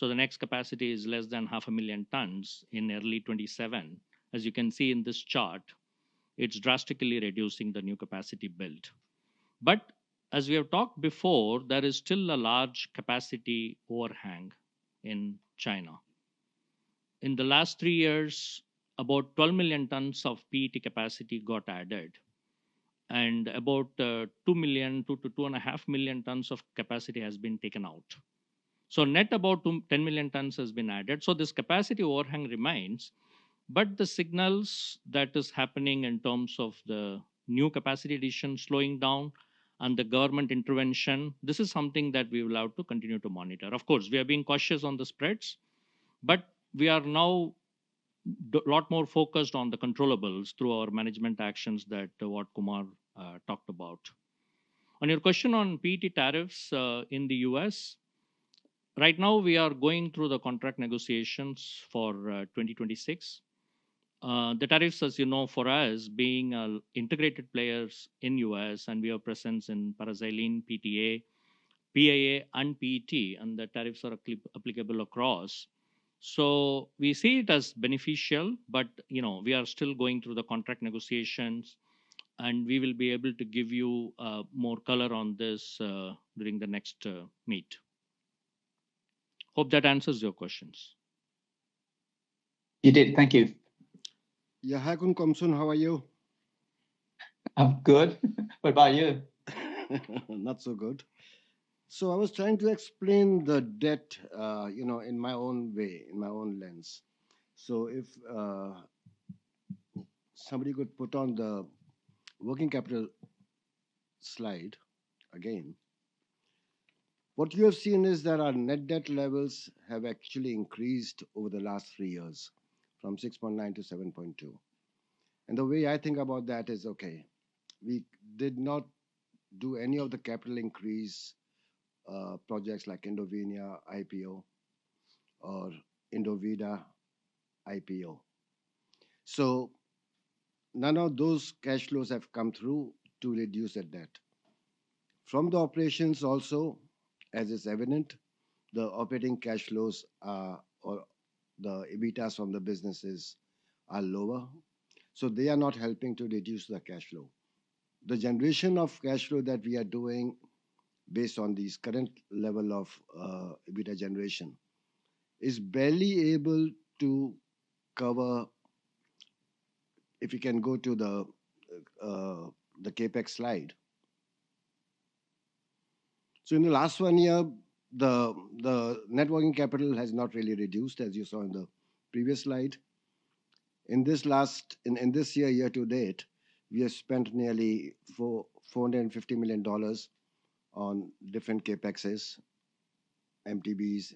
The next capacity is less than 500,000 tons in early 2027. As you can see in this chart, it is drastically reducing the new capacity build. We have talked before, there is still a large capacity overhang in China. In the last three years, about 12 million tons of PET capacity got added. About 2 million, 2 million-2.5 million tons of capacity has been taken out. Net, about 10 million tons has been added. This capacity overhang remains. The signals that are happening in terms of the new capacity addition slowing down and the government intervention, this is something that we will have to continue to monitor. Of course, we are being cautious on the spreads, but we are now a lot more focused on the controllable through our management actions that what Kumar talked about. On your question on PET tariffs in the U.S., right now we are going through the contract negotiations for 2026. The tariffs, as you know, for us being integrated players in the U.S. and we have presence in Parazeline, PET, PAA, and PET, and the tariffs are applicable across. We see it as beneficial, but we are still going through the contract negotiations and we will be able to give you more color on this during the next meet. Hope that answers your questions. You did. Thank you. Yeah, Khun Komsun, how are you? I'm good. What about you? Not so good. I was trying to explain the debt in my own way, in my own lens. If somebody could put on the working capital slide again, what you have seen is that our net debt levels have actually increased over the last three years from $6.9 billion to $7.2 billion. The way I think about that is, okay, we did not do any of the capital increase projects like Indovinya IPO or Indovida IPO. None of those cash flows have come through to reduce the debt. From the operations also, as is evident, the operating cash flows or the EBITDAs from the businesses are lower. They are not helping to reduce the cash flow. The generation of cash flow that we are doing based on these current levels of EBITDA generation is barely able to cover—if you can go to the CapEx slide. In the last one year, the net working capital has not really reduced, as you saw in the previous slide. In this year, year to date, we have spent nearly $450 million on different CapExes, MTBs,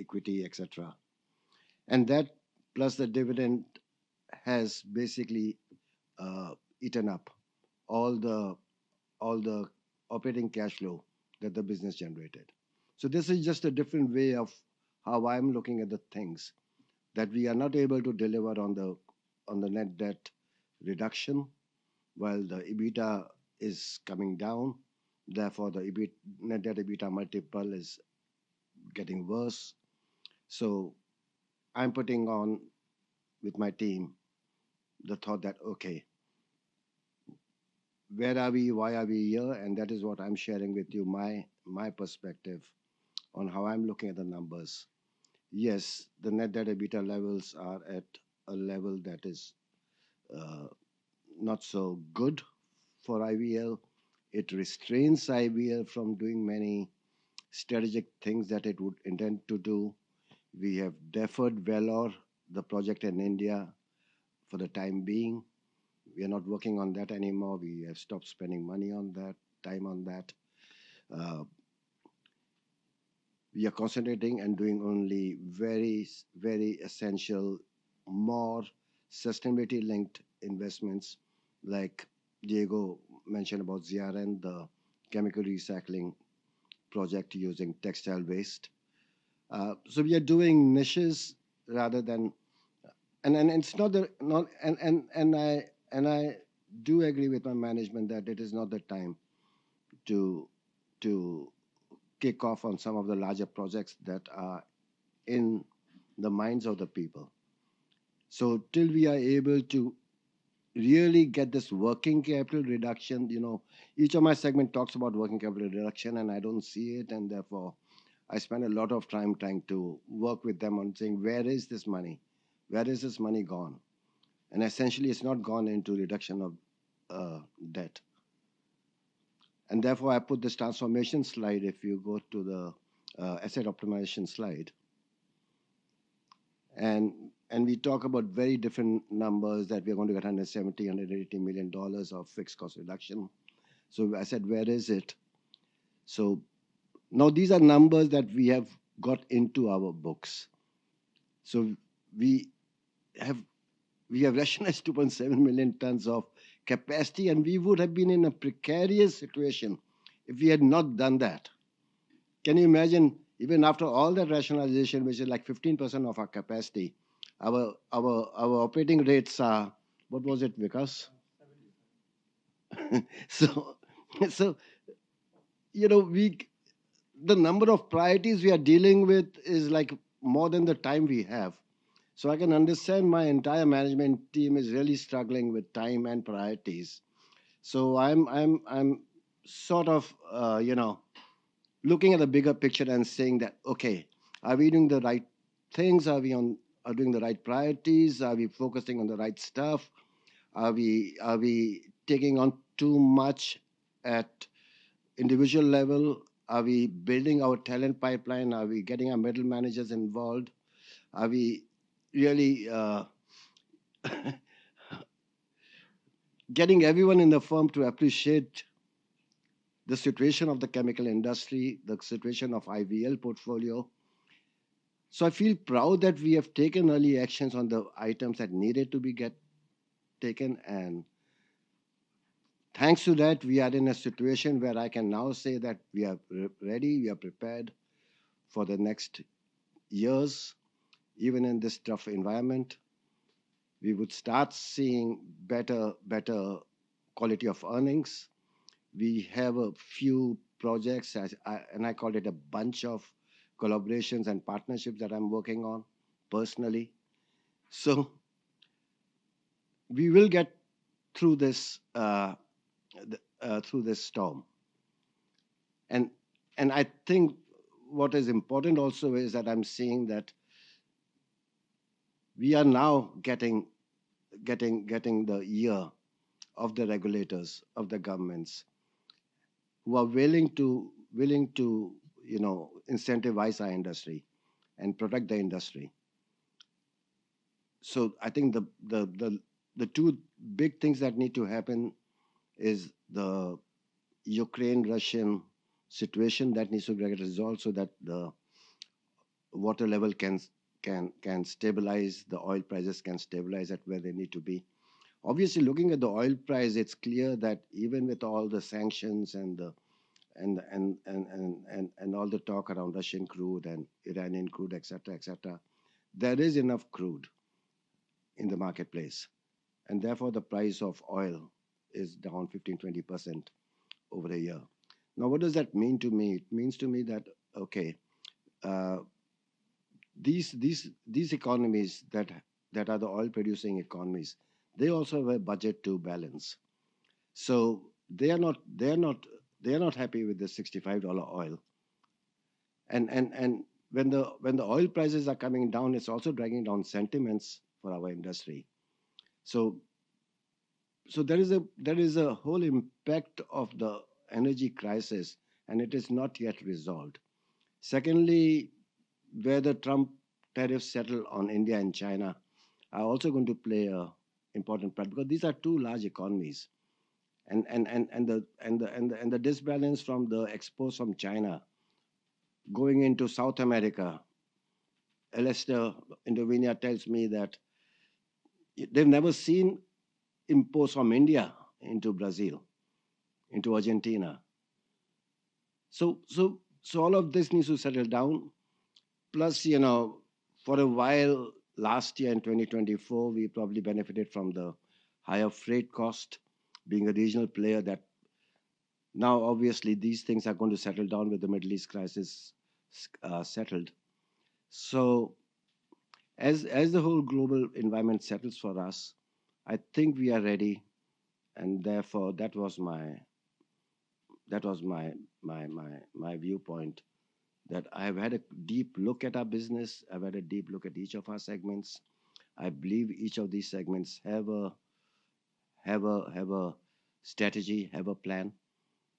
equity, etc. That plus the dividend has basically eaten up all the operating cash flow that the business generated. This is just a different way of how I'm looking at the things that we are not able to deliver on the net debt reduction while the EBITDA is coming down. Therefore, the net debt EBITDA multiple is getting worse. I'm putting on with my team the thought that, okay, where are we? Why are we here? That is what I'm sharing with you, my perspective on how I'm looking at the numbers. Yes, the net debt EBITDA levels are at a level that is not so good for IVL. It restrains IVL from doing many strategic things that it would intend to do. We have deferred Vellore, the project in India for the time being. We are not working on that anymore. We have stopped spending money on that, time on that. We are concentrating and doing only very, very essential, more sustainability-linked investments like Diego mentioned about ZRN, the chemical recycling project using textile waste. We are doing niches rather than and it's not the and I do agree with my management that it is not the time to kick off on some of the larger projects that are in the minds of the people. Till we are able to really get this working capital reduction, you know, each of my segments talks about working capital reduction and I don't see it. Therefore, I spend a lot of time trying to work with them on saying, where is this money? Where is this money gone? Essentially, it's not gone into reduction of debt. Therefore, I put this transformation slide if you go to the asset optimization slide. We talk about very different numbers that we are going to get $170 million-$180 million of fixed cost reduction. I said, where is it? These are numbers that we have got into our books. We have rationalized 2.7 million tons of capacity, and we would have been in a precarious situation if we had not done that. Can you imagine even after all that rationalization, which is like 15% of our capacity, our operating rates are, what was it, Vikash? The number of priorities we are dealing with is like more than the time we have. I can understand my entire management team is really struggling with time and priorities. I'm sort of looking at a bigger picture and saying that, okay, are we doing the right things? Are we doing the right priorities? Are we focusing on the right stuff? Are we taking on too much at individual level? Are we building our talent pipeline? Are we getting our middle managers involved? Are we really getting everyone in the firm to appreciate the situation of the chemical industry, the situation of IVL portfolio? I feel proud that we have taken early actions on the items that needed to be taken. Thanks to that, we are in a situation where I can now say that we are ready, we are prepared for the next years. Even in this tough environment, we would start seeing better quality of earnings. We have a few projects, and I call it a bunch of collaborations and partnerships that I'm working on personally. We will get through this storm. I think what is important also is that I'm seeing that we are now getting the ear of the regulators, of the governments who are willing to incentivize our industry and protect the industry. I think the two big things that need to happen is the Ukraine-Russia situation that needs to be resolved so that the water level can stabilize, the oil prices can stabilize at where they need to be. Obviously, looking at the oil price, it's clear that even with all the sanctions and all the talk around Russian crude and Iranian crude, etc., etc., there is enough crude in the marketplace. Therefore, the price of oil is down 15%-20% over a year. Now, what does that mean to me? It means to me that, okay, these economies that are the oil-producing economies, they also have a budget to balance. They are not happy with the $65 oil. When the oil prices are coming down, it is also dragging down sentiments for our industry. There is a whole impact of the energy crisis, and it is not yet resolved. Secondly, whether Trump tariffs settle on India and China are also going to play an important part because these are two large economies. The disbalance from the exports from China going into South America, Alastair Indovinya tells me that they have never seen imports from India into Brazil, into Argentina. All of this needs to settle down. Plus, for a while last year in 2024, we probably benefited from the higher freight cost being a regional player. Now obviously these things are going to settle down with the Middle East crisis settled. As the whole global environment settles for us, I think we are ready. Therefore, that was my viewpoint that I have had a deep look at our business. I have had a deep look at each of our segments. I believe each of these segments have a strategy, have a plan.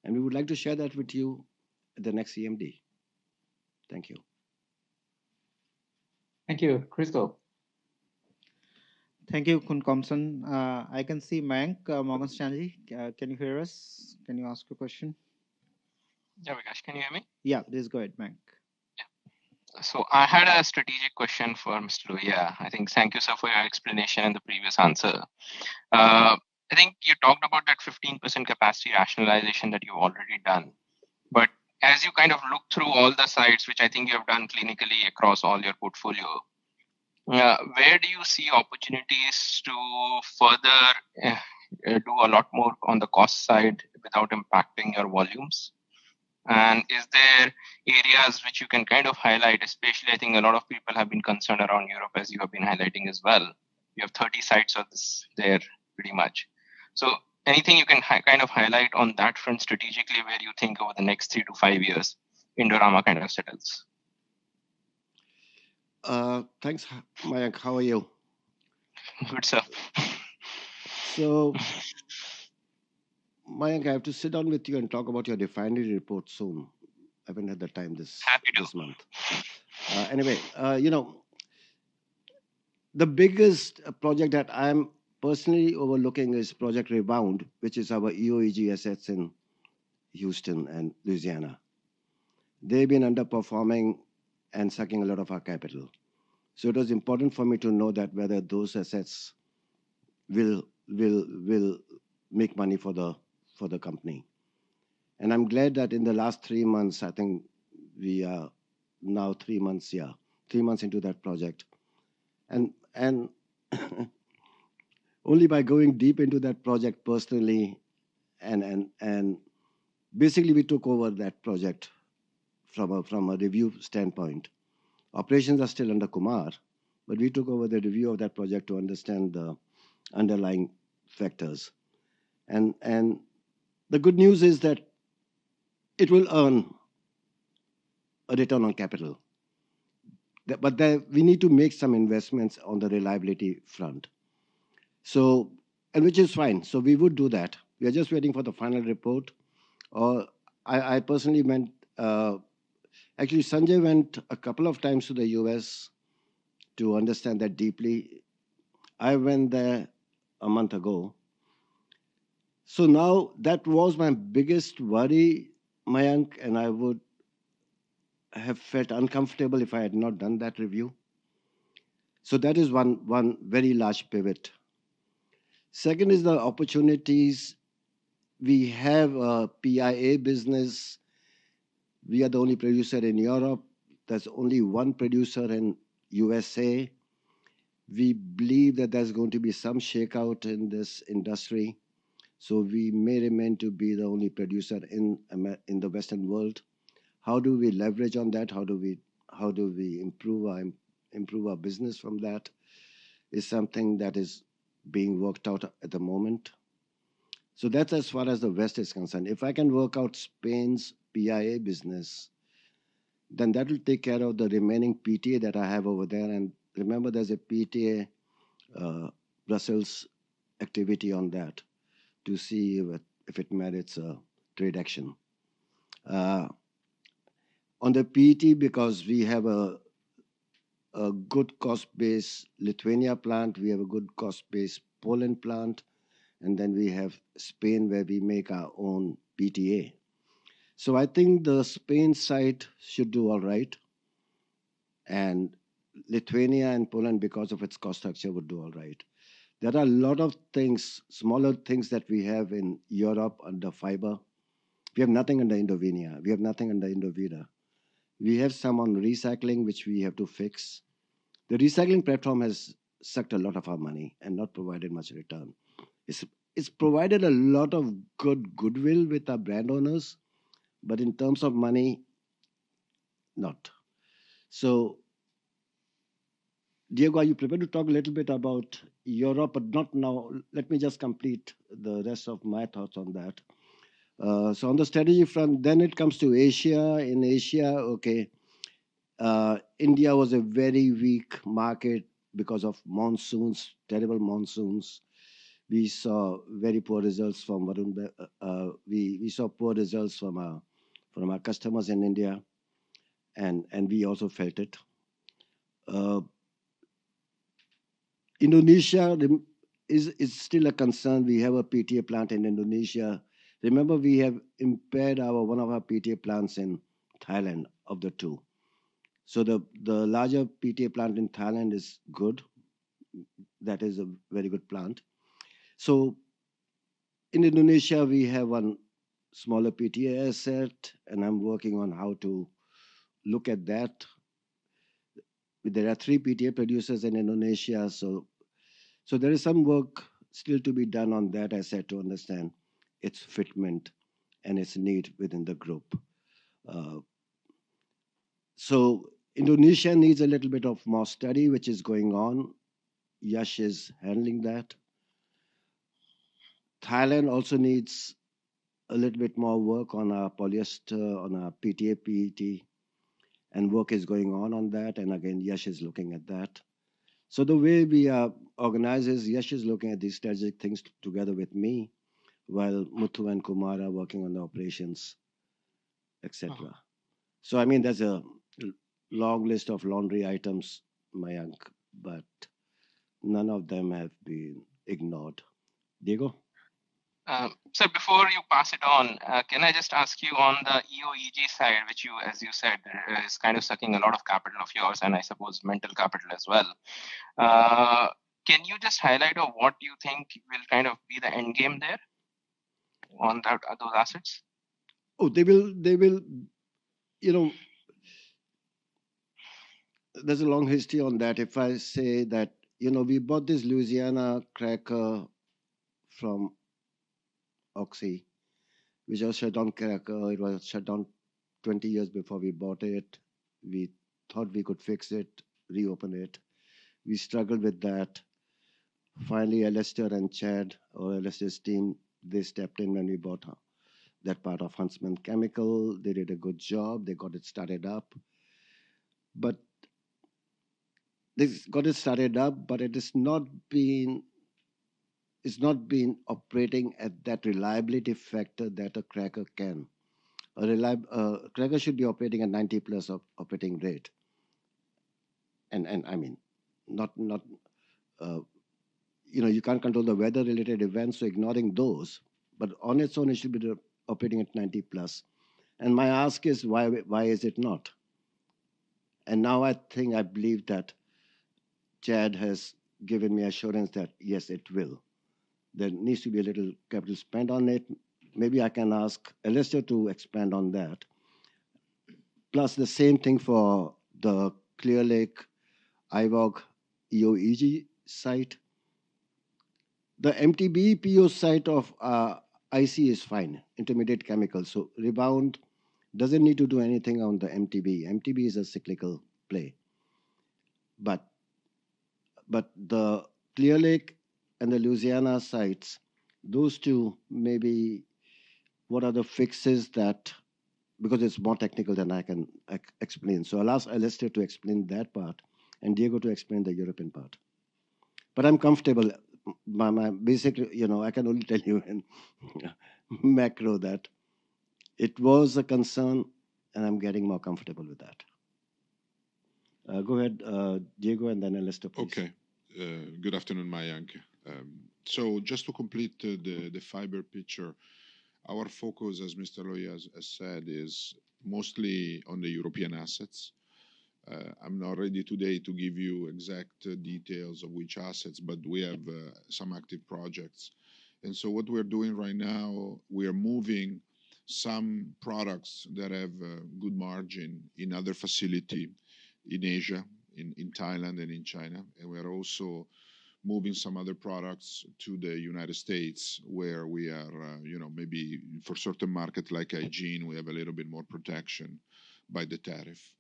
We would like to share that with you at the next EMD. Thank you. Thank you, [crystal]. Thank you, Khun Komsun. I can see Mayank Maheshwari. Can you hear us? Can you ask a question? There we go. Can you hear me? Yeah, this is good, Mayank. Yeah. I had a strategic question for Mr. Lohia. I think thank you for your explanation and the previous answer. I think you talked about that 15% capacity rationalization that you've already done. As you kind of look through all the sites, which I think you have done clinically across all your portfolio, where do you see opportunities to further do a lot more on the cost side without impacting your volumes? Is there areas which you can kind of highlight, especially I think a lot of people have been concerned around Europe, as you have been highlighting as well? You have 30 sites there pretty much. Anything you can kind of highlight on that front strategically where you think over the next three to five years Indorama kind of settles? Thanks, Mayank. How are you? Good, sir. Mayank, I have to sit down with you and talk about your definitive report soon. I haven't had the time this month. Happy to. Anyway, the biggest project that I'm personally overlooking is Project Rebound, which is our EO/EG assets in Houston and Louisiana. They've been underperforming and sucking a lot of our capital. It was important for me to know whether those assets will make money for the company. I'm glad that in the last three months, I think we are now three months, yeah, three months into that project. Only by going deep into that project personally, and basically we took over that project from a review standpoint. Operations are still under Kumar, but we took over the review of that project to understand the underlying factors. The good news is that it will earn a return on capital. We need to make some investments on the reliability front, which is fine. We would do that. We are just waiting for the final report. I personally meant actually, Sanjay went a couple of times to the U.S. to understand that deeply. I went there a month ago. That was my biggest worry, Mayank, and I would have felt uncomfortable if I had not done that review. That is one very large pivot. Second is the opportunities. We have a PIA business. We are the only producer in Europe. There is only one producer in the U.S.A. We believe that there is going to be some shakeout in this industry. We may remain to be the only producer in the Western world. How do we leverage on that? How do we improve our business from that? It is something that is being worked out at the moment. That's as far as the West is concerned. If I can work out Spain's PIA business, then that will take care of the remaining PTA that I have over there. Remember, there's a PTA, Brussels activity on that to see if it merits a trade action. On the PTA, because we have a good cost-based Lithuania plant, we have a good cost-based Poland plant, and then we have Spain where we make our own PTA. I think the Spain site should do all right. Lithuania and Poland, because of its cost structure, would do all right. There are a lot of things, smaller things that we have in Europe under fiber. We have nothing under Indovinya. We have nothing under Indovida. We have some on recycling, which we have to fix. The recycling platform has sucked a lot of our money and not provided much return. has provided a lot of goodwill with our brand owners, but in terms of money, not. Diego, are you prepared to talk a little bit about Europe, but not now? Let me just complete the rest of my thoughts on that. On the strategy front, then it comes to Asia. In Asia, India was a very weak market because of monsoons, terrible monsoons. We saw very poor results from Varun. We saw poor results from our customers in India, and we also felt it. Indonesia is still a concern. We have a PTA plant in Indonesia. Remember, we have impaired one of our PTA plants in Thailand of the two. The larger PTA plant in Thailand is good. That is a very good plant. In Indonesia, we have one smaller PTA asset, and I am working on how to look at that. There are three PTA producers in Indonesia. There is some work still to be done on that asset to understand its fitment and its need within the group. Indonesia needs a little bit more study, which is going on. Yash is handling that. Thailand also needs a little bit more work on our polyester, on our PTA PET, and work is going on on that. Yash is looking at that. The way we are organized is Yash is looking at these strategic things together with me while Muthu and Kumar are working on the operations, etc. I mean, there is a long list of laundry items, Mayank, but none of them have been ignored. Diego? Before you pass it on, can I just ask you on the EO/EG side, which you, as you said, is kind of sucking a lot of capital of yours, and I suppose mental capital as well. Can you just highlight what you think will kind of be the end game there on those assets? Oh, there's a long history on that. If I say that we bought this Louisiana cracker from Oxy, we just shut down cracker. It was shut down 20 years before we bought it. We thought we could fix it, reopen it. We struggled with that. Finally, Alastair and Chad or Alastair's team, they stepped in when we bought that part of Huntsman Chemical. They did a good job. They got it started up. They got it started up, but it has not been operating at that reliability factor that a cracker can. A cracker should be operating at 90% plus operating rate. I mean, you can't control the weather-related events, so ignoring those, but on its own, it should be operating at 90% plus. My ask is, why is it not? I think I believe that Chad has given me assurance that, yes, it will. There needs to be a little capital spent on it. Maybe I can ask Alastair to expand on that. Plus the same thing for the Clear Lake IWOG EOEG site. The MTBE PO site of IC is fine, intermediate chemicals. Rebound doesn't need to do anything on the MTBE. MTBE is a cyclical play. The Clear Lake and the Louisiana sites, those two, maybe what are the fixes, because it's more technical than I can explain. I'll ask Alastair to explain that part and Diego to explain the European part. I'm comfortable. Basically, I can only tell you in macro that it was a concern, and I'm getting more comfortable with that. Go ahead, Diego, and then Alastair, please. Okay. Good afternoon, Mayank. Just to complete the fiber picture, our focus, as Mr. Lohia said, is mostly on the European assets. I'm not ready today to give you exact details of which assets, but we have some active projects. What we're doing right now, we are moving some products that have good margin in other facilities in Asia, in Thailand and in China. We're also moving some other products to the United States where we are maybe for certain markets like Aegean, we have a little bit more protection by the tariff.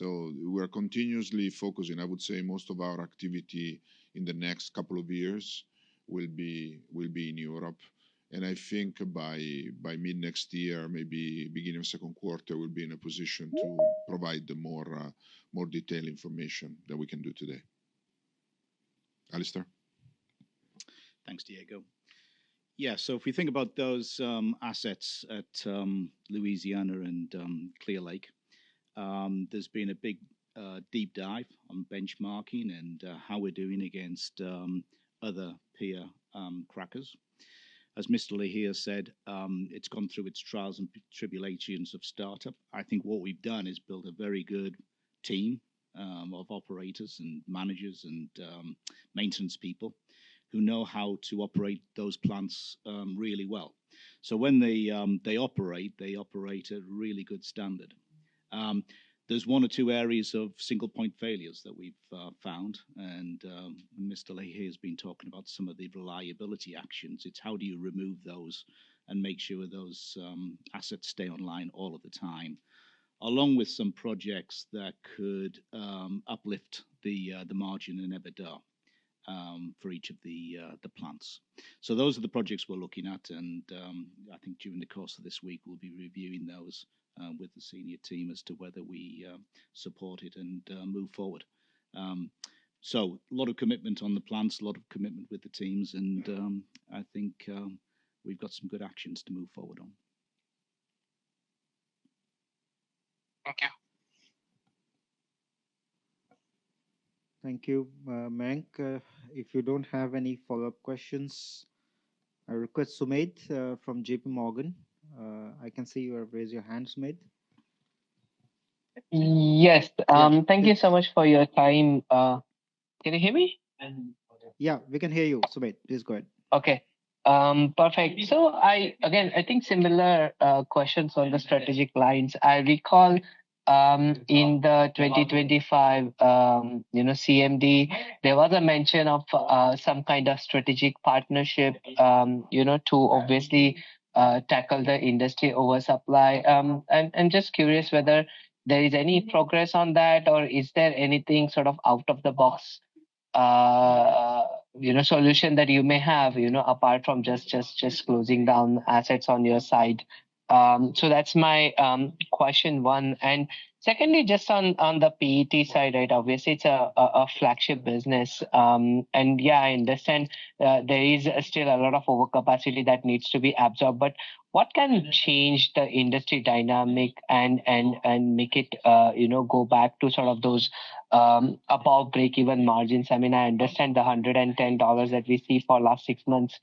We're continuously focusing. I would say most of our activity in the next couple of years will be in Europe. I think by mid next year, maybe beginning of second quarter, we'll be in a position to provide the more detailed information than we can do today. Alastair? Thanks, Diego. Yeah, if we think about those assets at Louisiana and Clear Lake, there's been a big deep dive on benchmarking and how we're doing against other peer crackers. As Mr. Lohia said, it's gone through its trials and tribulations of startup. I think what we've done is build a very good team of operators and managers and maintenance people who know how to operate those plants really well. When they operate, they operate at a really good standard. There's one or two areas of single-point failures that we've found. And Mr. Lohia has been talking about some of the reliability actions. It is how do you remove those and make sure those assets stay online all of the time, along with some projects that could uplift the margin and every dollar for each of the plants. Those are the projects we are looking at. I think during the course of this week, we will be reviewing those with the senior team as to whether we support it and move forward. A lot of commitment on the plants, a lot of commitment with the teams. I think we have got some good actions to move forward on. Thank you. Thank you, Mayank. If you do not have any follow-up questions, a request submitted from JPMorgan. I can see you have raised your hand, Sumedh. Yes. Thank you so much for your time. Can you hear me? Yeah, we can hear you, Sumedh. Please go ahead. Okay. Perfect. Again, I think similar questions on the strategic lines. I recall in the 2025 CMD, there was a mention of some kind of strategic partnership to obviously tackle the industry oversupply. I'm just curious whether there is any progress on that, or is there anything sort of out-of-the-box solution that you may have apart from just closing down assets on your side. That's my question, one. Secondly, just on the PET side, right, obviously, it's a flagship business. Yeah, I understand there is still a lot of overcapacity that needs to be absorbed. What can change the industry dynamic and make it go back to sort of those above break-even margins? I mean, I understand the $110 that we see for the last six months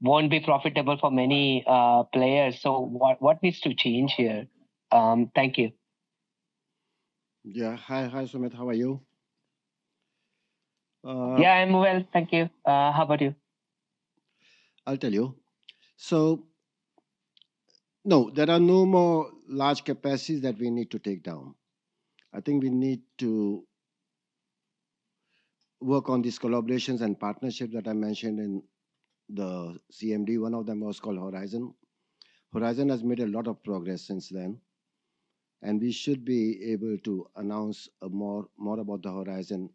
won't be profitable for many players. What needs to change here? Thank you. Yeah. Hi, Sumedh. How are you? Yeah, I'm well. Thank you. How about you? I'll tell you. No, there are no more large capacities that we need to take down. I think we need to work on these collaborations and partnerships that I mentioned in the CMD. One of them was called Horizon. Horizon has made a lot of progress since then. We should be able to announce more about Horizon,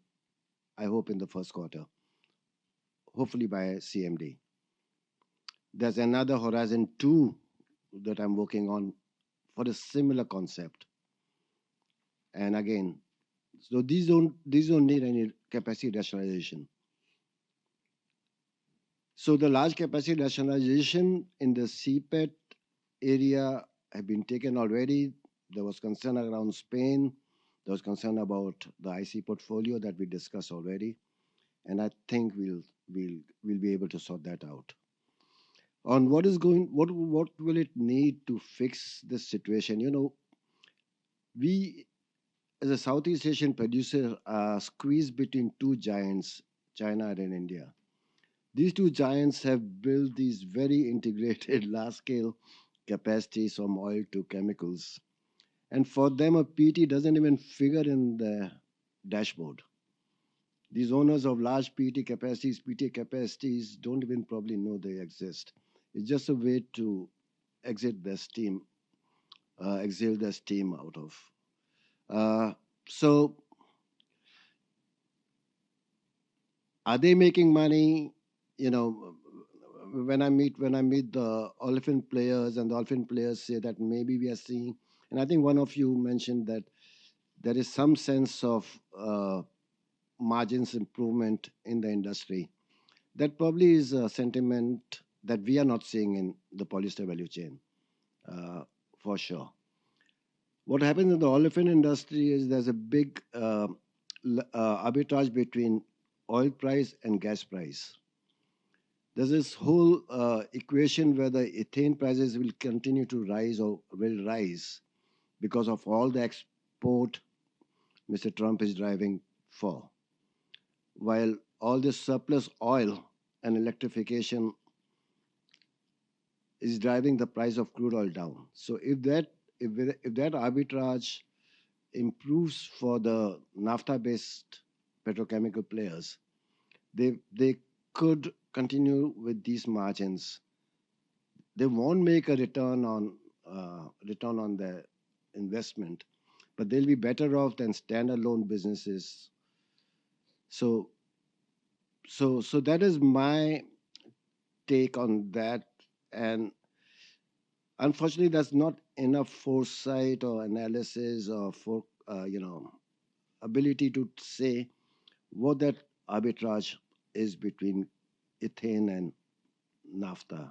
I hope, in the first quarter, hopefully by CMD. There's another Horizon 2 that I'm working on for a similar concept. These don't need any capacity rationalization. The large capacity rationalization in the CPET area has been taken already. There was concern around Spain. There was concern about the IC portfolio that we discussed already. I think we'll be able to sort that out. On what will it need to fix the situation? We, as a Southeast Asian producer, are squeezed between two giants, China and India. These two giants have built these very integrated large-scale capacities from oil to chemicals. For them, a PET does not even figure in the dashboard. These owners of large PET capacities, PTA capacities do not even probably know they exist. It is just a way to exit their steam, exhale their steam out of. Are they making money? When I meet the elephant players and the elephant players say that maybe we are seeing, and I think one of you mentioned that there is some sense of margins improvement in the industry. That probably is a sentiment that we are not seeing in the polystyrene value chain, for sure. What happens in the elephant industry is there is a big arbitrage between oil price and gas price. There's this whole equation where the ethane prices will continue to rise or will rise because of all the export Mr. Trump is driving for, while all the surplus oil and electrification is driving the price of crude oil down. If that arbitrage improves for the NAFTA-based petrochemical players, they could continue with these margins. They won't make a return on their investment, but they'll be better off than stand-alone businesses. That is my take on that. Unfortunately, there's not enough foresight or analysis or ability to say what that arbitrage is between ethane and NAFTA.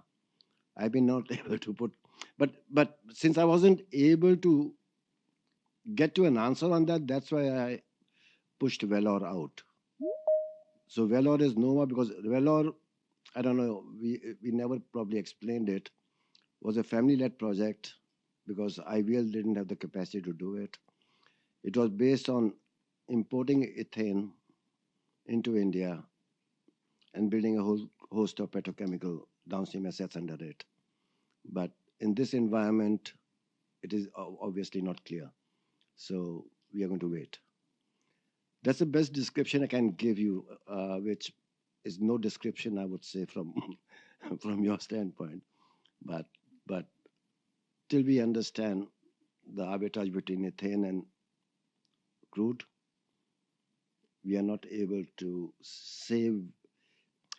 I've been not able to put, but since I wasn't able to get to an answer on that, that's why I pushed Vellore out. Vellore is NOVA because Vellore, I don't know, we never probably explained it, was a family-led project because IVL didn't have the capacity to do it. It was based on importing ethane into India and building a whole host of petrochemical downstream assets under it. In this environment, it is obviously not clear. We are going to wait. That's the best description I can give you, which is no description, I would say, from your standpoint. Till we understand the arbitrage between ethane and crude, we are not able to say.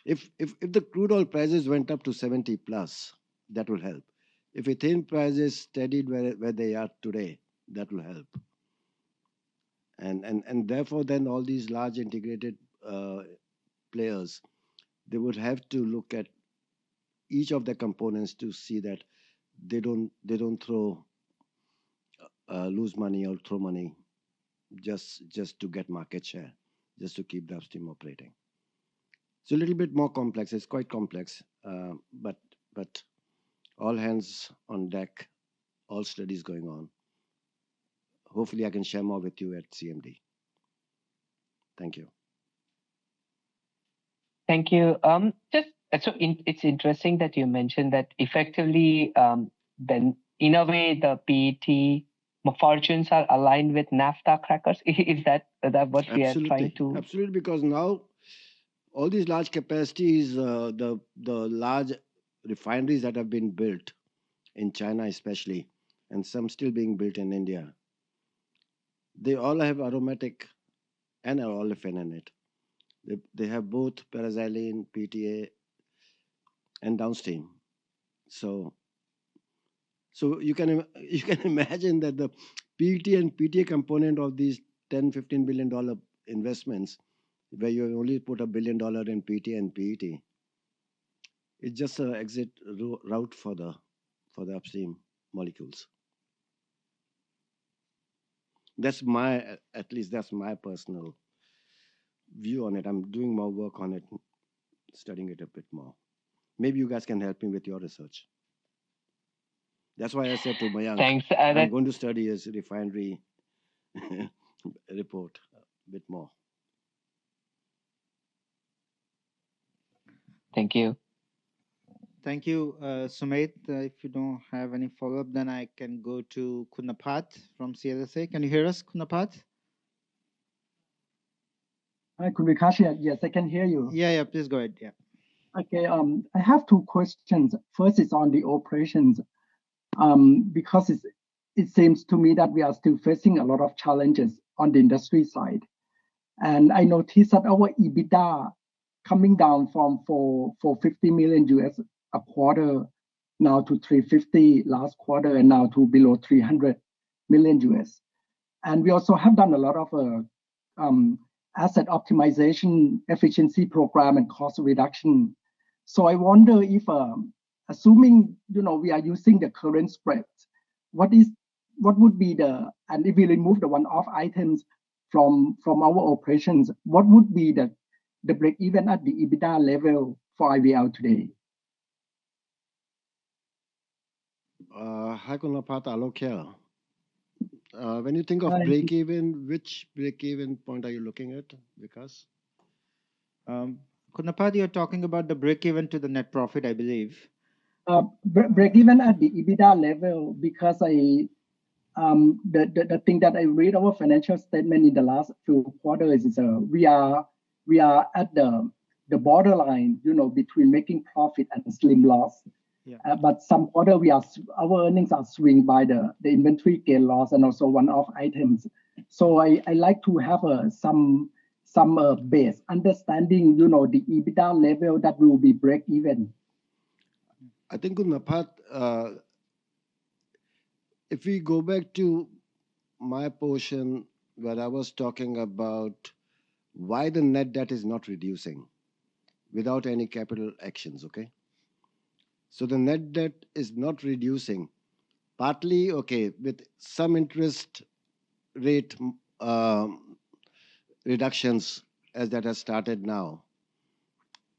If the crude oil prices went up to $70+, that will help. If ethane prices steadied where they are today, that will help. Therefore, all these large integrated players would have to look at each of the components to see that they do not lose money or throw money just to get market share, just to keep the upstream operating. It's a little bit more complex. It's quite complex, but all hands on deck, all studies going on. Hopefully, I can share more with you at CMD. Thank you. Thank you. It's interesting that you mentioned that effectively, in a way, the PET fortunes are aligned with NAFTA crackers. Is that what we are trying to? Absolutely. Absolutely. Because now, all these large capacities, the large refineries that have been built in China, especially, and some still being built in India, they all have aromatic and are all effort in it. They have both parasiline, PTA, and downstream. You can imagine that the PET and PTA component of these $10 billion-$15 billion investments, where you only put $1 billion in PET and PET, it's just an exit route for the upstream molecules. At least that's my personal view on it. I'm doing more work on it, studying it a bit more. Maybe you guys can help me with your research. That's why I said to my younger friend, I'm going to study his refinery report a bit more. Thank you. Thank you, Sumedh. If you don't have any follow-up, then I can go to Khun Naphat from CLSA. Can you hear us, Kunapath? Hi, Khun Vikash. Yes, I can hear you. Yeah, yeah. Please go ahead. Yeah. Okay. I have two questions. First, it's on the operations because it seems to me that we are still facing a lot of challenges on the industry side. And I noticed that our EBITDA coming down from $450 million a quarter now to $350 million last quarter and now to below $300 million. And we also have done a lot of asset optimization efficiency program and cost reduction. So I wonder if, assuming we are using the current spread, what would be the, and if we remove the one-off items from our operations, what would be the break-even at the EBITDA level for IVL today? Hi, Khun Naphat. I don't care. When you think of break-even, which break-even point are you looking at, Vikash? Khun Naphat, you're talking about the break-even to the net profit, I believe. Break-even at the EBITDA level because the thing that I read in our financial statement in the last few quarters is we are at the borderline between making profit and slim loss. Some quarter, our earnings are swinged by the inventory gain loss and also one-off items. I like to have some base understanding the EBITDA level that will be break-even. I think, Khun Naphat, if we go back to my portion where I was talking about why the net debt is not reducing without any capital actions, okay? The net debt is not reducing. Partly, with some interest rate reductions as that has started now,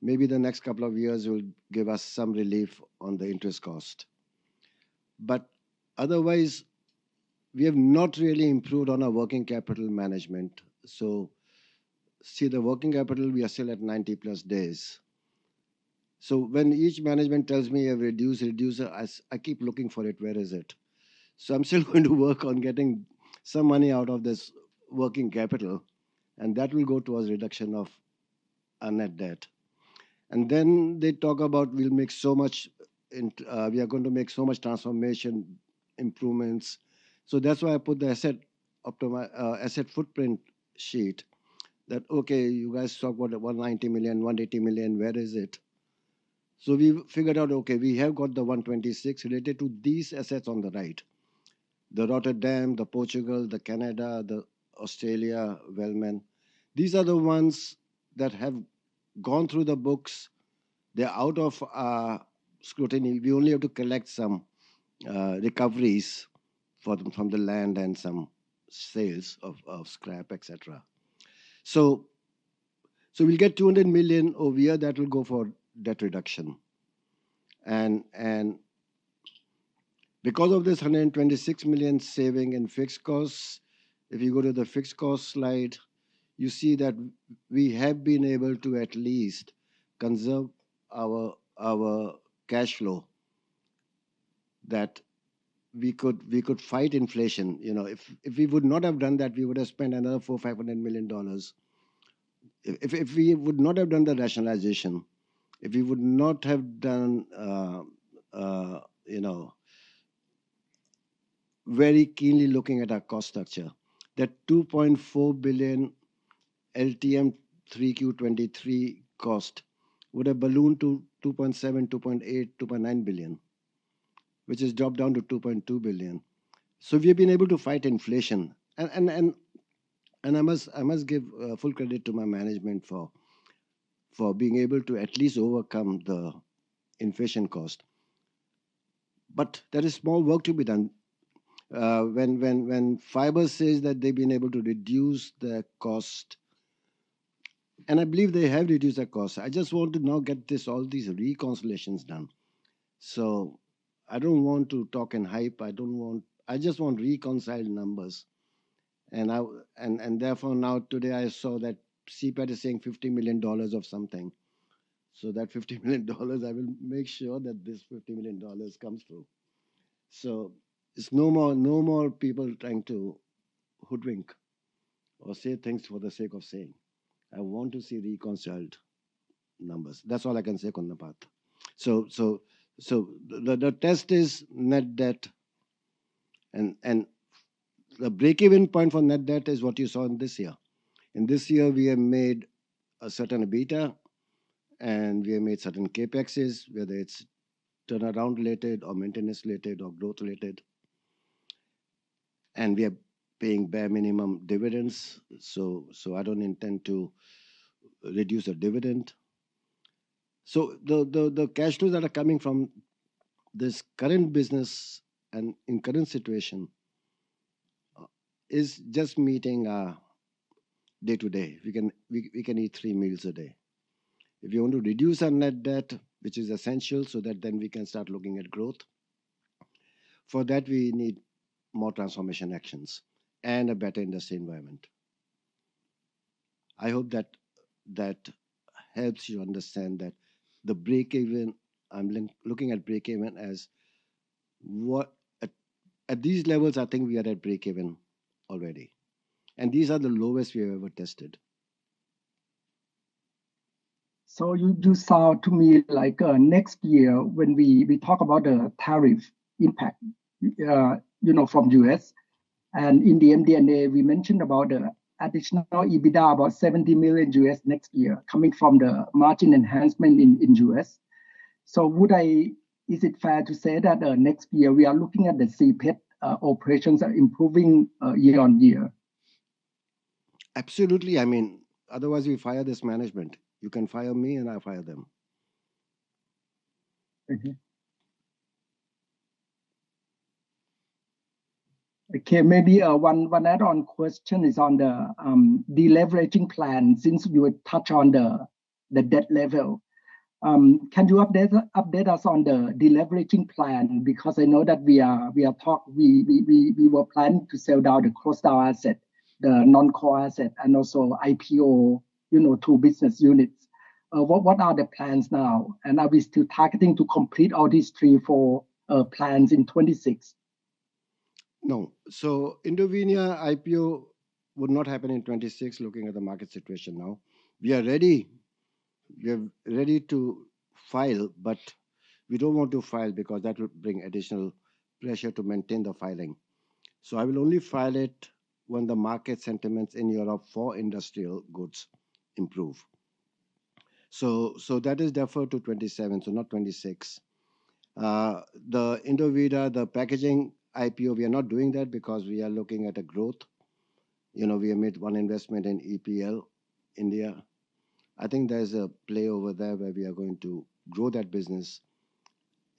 maybe the next couple of years will give us some relief on the interest cost. Otherwise, we have not really improved on our working capital management. See, the working capital, we are still at 90+ days. When each management tells me reduce, reduce, I keep looking for it, where is it? I'm still going to work on getting some money out of this working capital, and that will go towards reduction of our net debt. Then they talk about we'll make so much, we are going to make so much transformation improvements. That is why I put the asset footprint sheet that, okay, you guys talk about $190 million, $180 million, where is it? We figured out, okay, we have got the $126 million related to these assets on the right: the Rotterdam, the Portugal, the Canada, the Australia, Wellman. These are the ones that have gone through the books. They are out of scrutiny. We only have to collect some recoveries from the land and some sales of scrap, etc. We will get $200 million over here that will go for debt reduction. Because of this $126 million saving in fixed costs, if you go to the fixed cost slide, you see that we have been able to at least conserve our cash flow that we could fight inflation. If we would not have done that, we would have spent another $400 million-$500 million. If we would not have done the rationalization, if we would not have done very keenly looking at our cost structure, that $2.4 billion LTM 3Q 2023 cost would have ballooned to $2.7 billion, $2.8 billion, $2.9 billion, which has dropped down to $2.2 billion. We have been able to fight inflation. I must give full credit to my management for being able to at least overcome the inflation cost. There is more work to be done. When Fibers says that they've been able to reduce the cost, and I believe they have reduced the cost, I just want to now get all these reconciliations done. I don't want to talk in hype. I just want reconciled numbers. Therefore, now today, I saw that CPET is saying $50 million of something. That $50 million, I will make sure that this $50 million comes through. There's no more people trying to hoodwink or say things for the sake of saying. I want to see reconciled numbers. That's all I can say, Khun Naphat. The test is net debt. The break-even point for net debt is what you saw in this year. In this year, we have made a certain EBITDA, and we have made certain CapEx, whether it's turnaround-related or maintenance-related or growth-related. We are paying bare minimum dividends. I don't intend to reduce the dividend. The cash flows that are coming from this current business and in current situation is just meeting day-to-day. We can eat three meals a day. If we want to reduce our net debt, which is essential so that then we can start looking at growth, for that, we need more transformation actions and a better industry environment. I hope that helps you understand that the break-even, I'm looking at break-even as at these levels, I think we are at break-even already. These are the lowest we have ever tested. You do sound to me like next year, when we talk about the tariff impact from the U.S. and in the MD&A, we mentioned about the additional EBITDA, about $70 million next year coming from the margin enhancement in the U.S. Is it fair to say that next year we are looking at the CPET operations are improving year on year? Absolutely. I mean, otherwise, we fire this management. You can fire me, and I fire them. Okay. Maybe one add-on question is on the deleveraging plan since we were touched on the debt level. Can you update us on the deleveraging plan? Because I know that we were planning to sell down the cross-down asset, the non-core asset, and also IPO, two business units. What are the plans now? Are we still targeting to complete all these three, four plans in 2026? No. Indovinya IPO would not happen in 2026, looking at the market situation now. We are ready. We are ready to file, but we do not want to file because that would bring additional pressure to maintain the filing. I will only file it when the market sentiments in Europe for industrial goods improve. That is deferred to 2027, not 2026. The Indovida, the packaging IPO, we are not doing that because we are looking at a growth. We have made one investment in EPL, India. I think there is a play over there where we are going to grow that business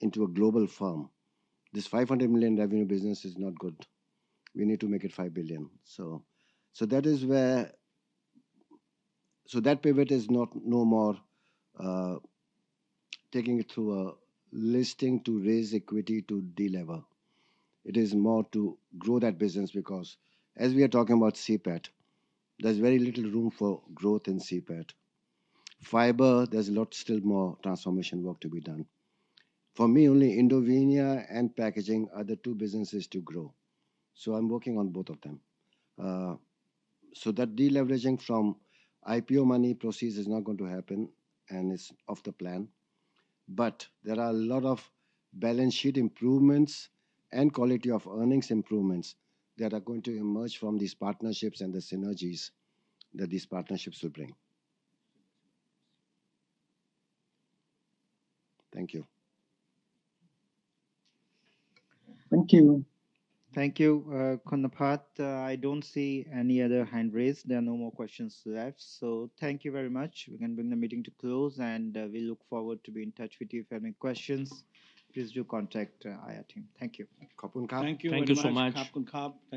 into a global firm. This $500 million revenue business is not good. We need to make it $5 billion. That pivot is no more taking it through a listing to raise equity to deleverage. It is more to grow that business because as we are talking about CPET, there's very little room for growth in CPET. Fiber, there's a lot still more transformation work to be done. For me, only Indovinya and packaging are the two businesses to grow. I'm working on both of them. That deleveraging from IPO money proceeds is not going to happen, and it's off the plan. There are a lot of balance sheet improvements and quality of earnings improvements that are going to emerge from these partnerships and the synergies that these partnerships will bring. Thank you. Thank you. Thank you, Khun Naphat. I don't see any other hand raised. There are no more questions left. Thank you very much. We can bring the meeting to a close, and we look forward to being in touch with you. If you have any questions, please do contact our team. Thank you. Thank you very much. Thank you so much.